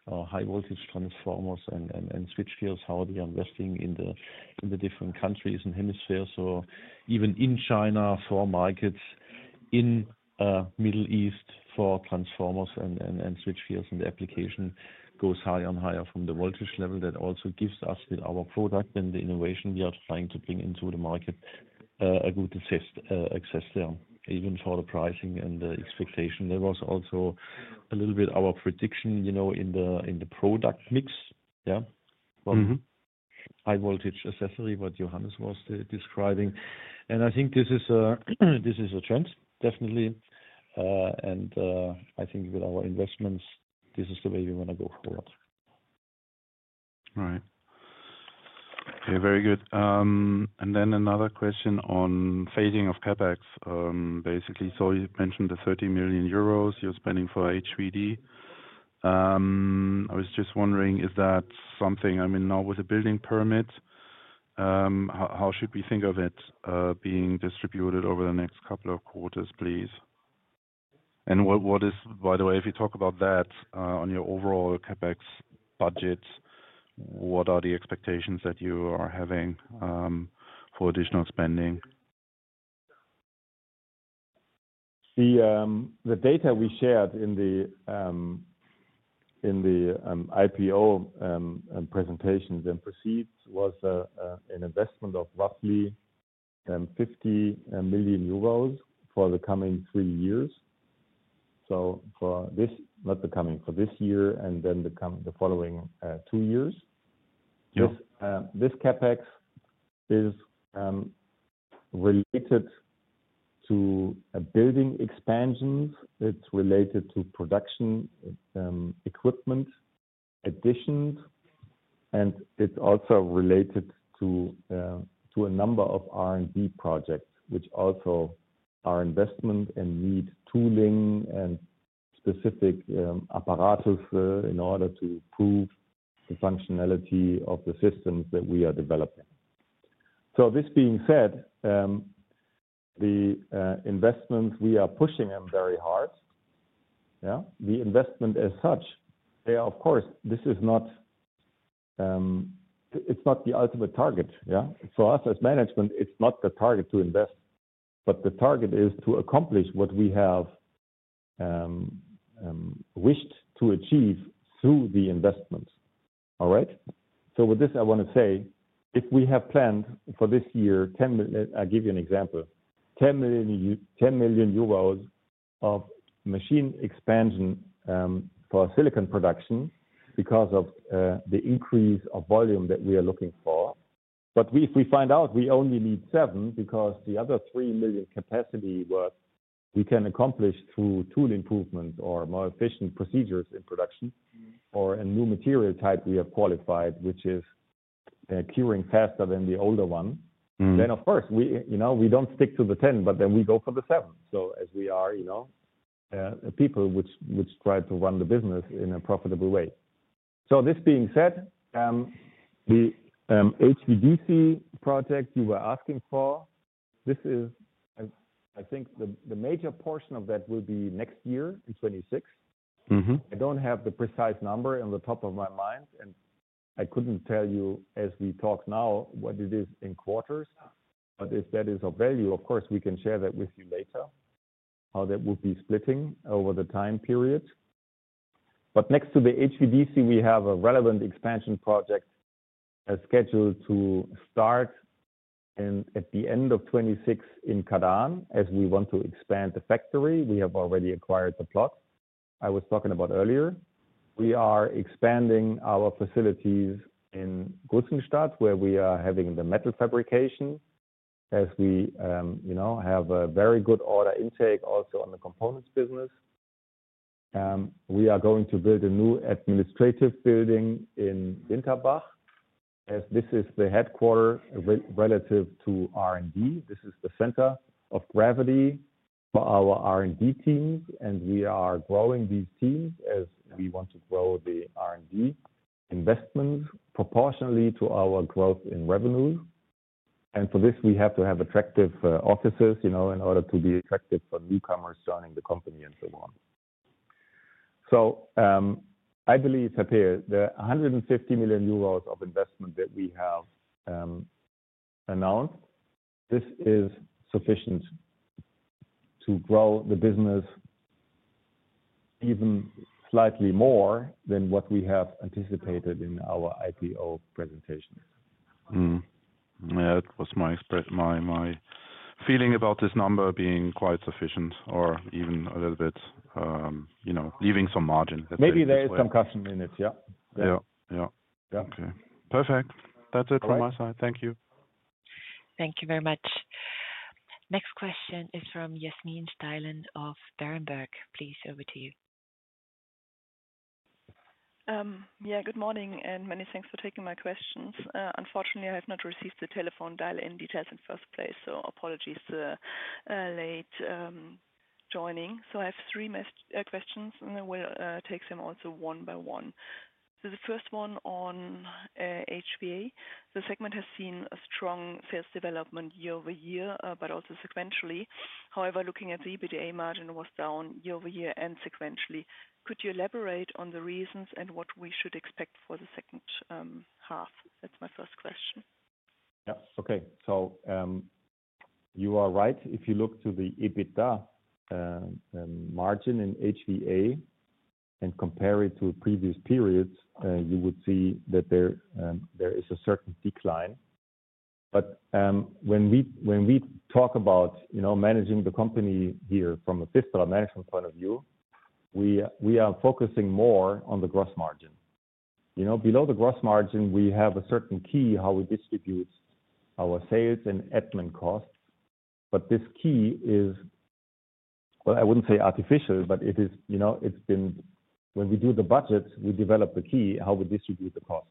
or high-voltage transformers and switch fields, how they are investing in the different countries and hemispheres. Even in China, for markets in the Middle East, for transformers and switch fields, and the application goes higher and higher from the voltage level. That also gives us with our product and the innovation we are trying to bring into the market a good access there, even for the pricing and the expectation. There was also a little bit our prediction, you know, in the product mix. High-voltage accessory, what Johannes was describing. I think this is a trend, definitely. I think with our investments, this is the way we want to go forward. All right. Very good. Another question on phasing of CapEx, basically. You mentioned the 30 million euros you're spending for HVDC. I was just wondering, now with a building permit, how should we think of it being distributed over the next couple of quarters, please? By the way, if you talk about that on your overall CapEx budget, what are the expectations that you are having for additional spending? The data we shared in the IPO presentation then precedes was an investment of roughly 50 million euros for the coming three years. For this, not the coming, for this year, and then the following two years. This CapEx is related to building expansions. It's related to production equipment additions. It's also related to a number of R&D projects, which also are investments and need tooling and specific apparatus in order to prove the functionality of the systems that we are developing. This being said, the investments, we are pushing them very hard. The investment as such, they are, of course, this is not, it's not the ultimate target. For us as management, it's not the target to invest, but the target is to accomplish what we have wished to achieve through the investments. With this, I want to say, if we have planned for this year, I'll give you an example, 10 million euros of machine expansion for silicon production because of the increase of volume that we are looking for. If we find out we only need seven because the other 3 million capacity work we can accomplish through tool improvements or more efficient procedures in production or a new material type we have qualified, which is curing faster than the older one, then of course, we don't stick to the 10, but then we go for the 7. As we are, you know, people which try to run the business in a profitable way. This being said, the HVDC project you were asking for, this is, I think the major portion of that will be next year in 2026. I don't have the precise number on the top of my mind, and I couldn't tell you as we talk now what it is in quarters. If that is of value, of course, we can share that with you later, how that would be splitting over the time period. Next to the HVDC, we have a relevant expansion project scheduled to start at the end of 2026 in Kladno, as we want to expand the factory. We have already acquired the plot I was talking about earlier. We are expanding our facilities in Gussenstaedt, where we are having the metal fabrication, as we, you know, have a very good order intake also on the components business. We are going to build a new administrative building in Winterbach, as this is the headquarter relative to R&D. This is the center of gravity for our R&D team, and we are growing these teams as we want to grow the R&D investments proportionally to our growth in revenue. We have to have attractive offices in order to be attractive for newcomers joining the company and so on. I believe, Perl, the 150 million euros of investment that we have announced is sufficient to grow the business even slightly more than what we have anticipated in our IPO presentation. Yeah, that was my feeling about this number being quite sufficient or even a little bit, you know, leaving some margin. Maybe there is some cushion in it. Yeah. Okay. Perfect. That's it from my side. Thank you. Thank you very much. Next question is from Yasmin Steilen of Berenberg. Please, over to you. Good morning, and many thanks for taking my questions. Unfortunately, I have not received the telephone dial-in details in the first place, so apologies for late joining. I have three questions, and I will take them also one by one. The first one on HBA. The segment has seen a strong sales development year over year, but also sequentially. However, looking at the EBITDA margin, it was down year over year and sequentially. Could you elaborate on the reasons and what we should expect for the second half? That's my first question. Yeah, okay. You are right. If you look to the EBITDA margin in HBA and compare it to a previous period, you would see that there is a certain decline. When we talk about managing the company here from a PFISTERER management point of view, we are focusing more on the gross margin. You know, below the gross margin, we have a certain key how we distribute our sales and admin costs. This key is, I wouldn't say artificial, but it is, you know, it's been when we do the budget, we develop the key how we distribute the cost.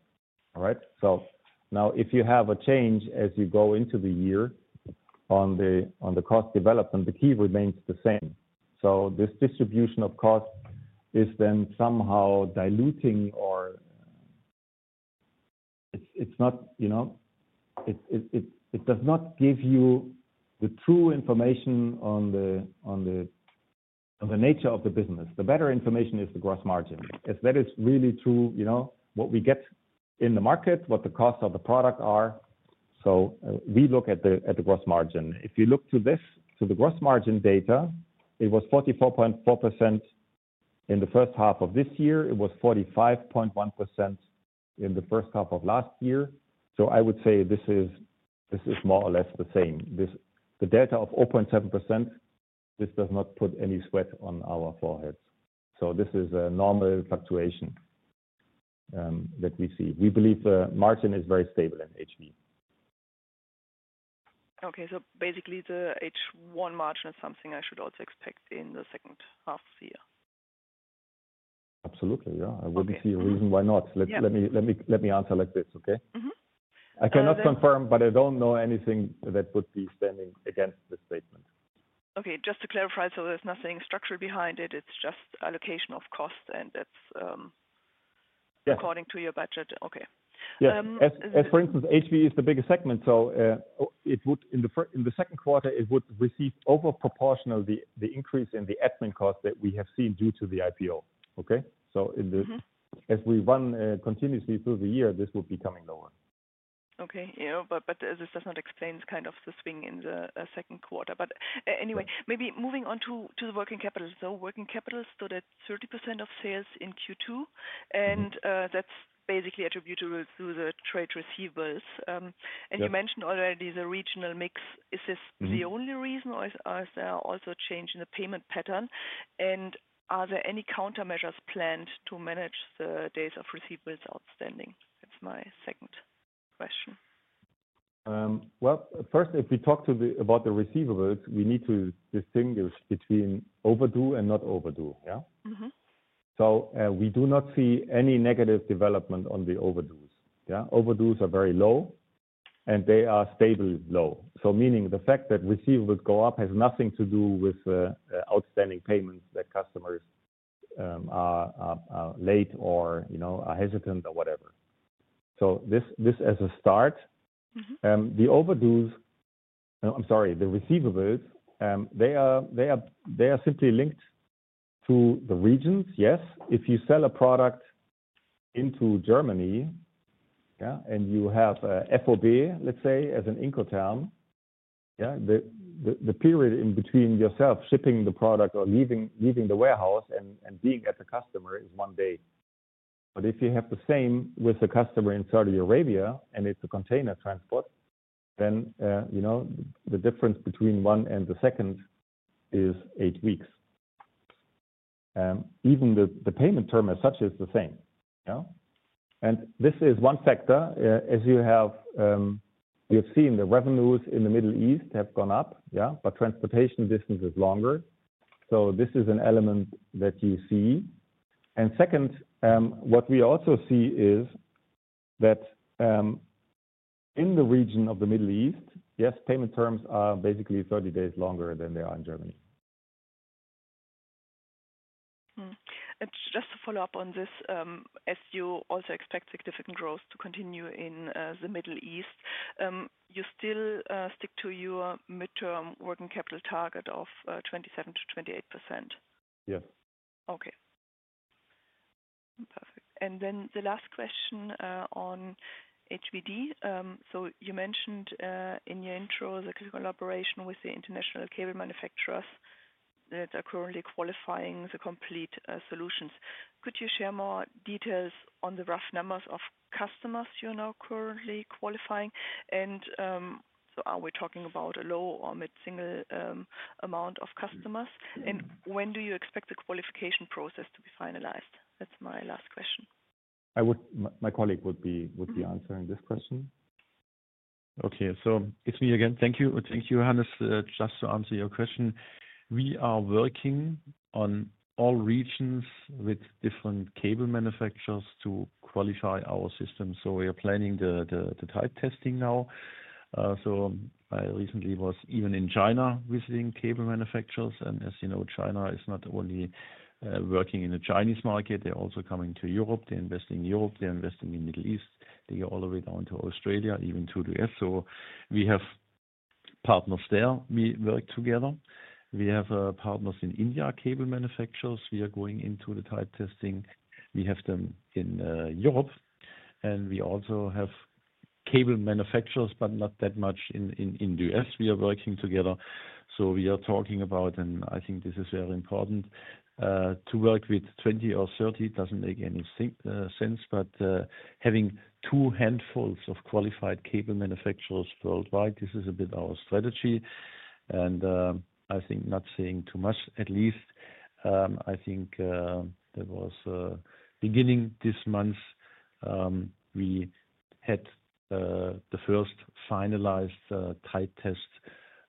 All right. If you have a change as you go into the year on the cost development, the key remains the same. This distribution of cost is then somehow diluting or it's not, you know, it does not give you the true information on the nature of the business. The better information is the gross margin, as that is really true, you know, what we get in the market, what the costs of the product are. We look at the gross margin. If you look to this, to the gross margin data, it was 44.4% in the first half of this year. It was 45.1% in the first half of last year. I would say this is more or less the same. The delta of 0.7% does not put any sweat on our foreheads. This is a normal fluctuation that we see. We believe the margin is very stable in HB. Okay, Basically, the H1 margin is something I should also expect in the second half of the year. Absolutely, yeah. I wouldn't see a reason why not. Let me answer like this, okay? Mm-hmm. I cannot confirm, but I don't know anything that would be standing against the statement. Okay, just to clarify, there's nothing structural behind it. It's just allocation of cost, and that's according to your budget. Okay. Yes. For instance, HV is the biggest segment, so in the second quarter, it would receive overproportional the increase in the admin cost that we have seen due to the IPO, okay? As we run continuously through the year, this would be coming lower. Okay, yeah, this does not explain kind of the swing in the second quarter. Anyway, maybe moving on to the working capital. Working capital stood at 30% of sales in Q2, and that's basically attributable to the trade receivables. You mentioned already the regional mix. Is this the only reason, or is there also a change in the payment pattern? Are there any countermeasures planned to manage the days of receivables outstanding? That's my second question. If we talk about the receivables, we need to distinguish between overdue and not overdue, yeah? Mm-hmm. We do not see any negative development on the overdues, yeah? Overdues are very low, and they are stably low. The fact that receivables go up has nothing to do with the outstanding payments that customers are late or, you know, are hesitant or whatever. As a start, the overdues, I'm sorry, the receivables, they are simply linked to the regions, yes? If you sell a product into Germany, yeah, and you have an FOB, let's say, as an incoterm, yeah, the period in between yourself shipping the product or leaving the warehouse and being at the customer is one day. If you have the same with a customer in Saudi Arabia, and it's a container transport, then, you know, the difference between one and the second is eight weeks. Even the payment term as such is the same, yeah? This is one factor. You have seen the revenues in the Middle East have gone up, yeah, but transportation distance is longer. This is an element that you see. Second, what we also see is that in the region of the Middle East, yes, payment terms are basically 30 days longer than they are in Germany. Just to follow up on this, as you also expect significant growth to continue in the Middle East, you still stick to your midterm working capital target of 27%-28%? Yeah. Okay. Perfect. The last question on HVDC. You mentioned in your intro the collaboration with the international cable manufacturers that are currently qualifying the complete solutions. Could you share more details on the rough numbers of customers you're now currently qualifying? Are we talking about a low or mid-single amount of customers? When do you expect the qualification process to be finalized? That's my last question. My colleague would be answering this question. Okay, so it's me again. Thank you, Johannes, just to answer your question. We are working on all regions with different cable manufacturers to qualify our system. We are planning the type testing now. I recently was even in China visiting cable manufacturers. As you know, China is not only working in the Chinese market, they're also coming to Europe. They're investing in Europe, they're investing in the Middle East, they go all the way down to Australia, even to the U.S. We have partners there. We work together. We have partners in India, cable manufacturers. We are going into the type testing. We have them in Europe. We also have cable manufacturers, but not that much in the U.S. We are working together. We are talking about, and I think this is very important, to work with 20 or 30 doesn't make any sense. Having two handfuls of qualified cable manufacturers worldwide, this is a bit our strategy. I think not saying too much, at least. I think there was a beginning this month, we had the first finalized type test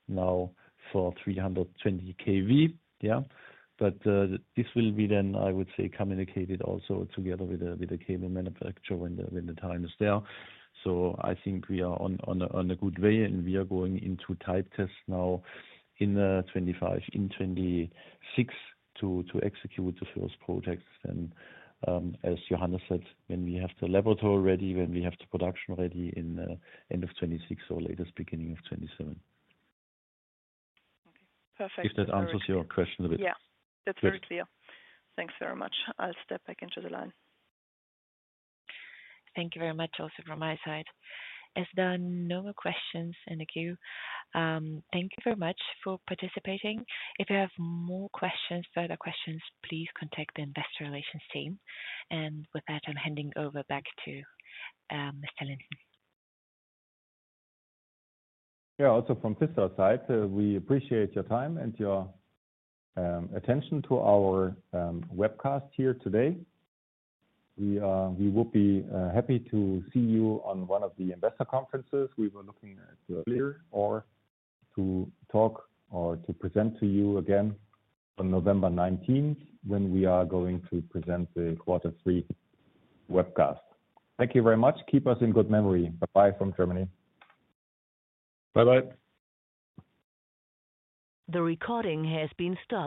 now for 320 kV, yeah? This will be then, I would say, communicated also together with the cable manufacturer when the time is there. I think we are on a good way, and we are going into type tests now in 2025, in 2026 to execute the first projects. As Johannes said, when we have the laboratory ready, when we have the production ready in the end of 2026 or latest beginning of 2027. Okay, perfect. If that answers your question a bit. Yeah, that's very clear. Thanks very much. I'll step back into the line. Thank you very much also from my side. As there are no more questions in the queue, thank you very much for participating. If you have more questions, further questions, please contact the investor relations team. With that, I'm handing over back to Mr. Linden. Yeah, also from PFISTERER's side, we appreciate your time and your attention to our webcast here today. We would be happy to see you on one of the investor conferences. We were looking at your earlier or to talk or to present to you again on November 19th when we are going to present the quarter three webcast. Thank you very much. Keep us in good memory. Bye-bye from Germany. Bye-bye. The recording has been stopped.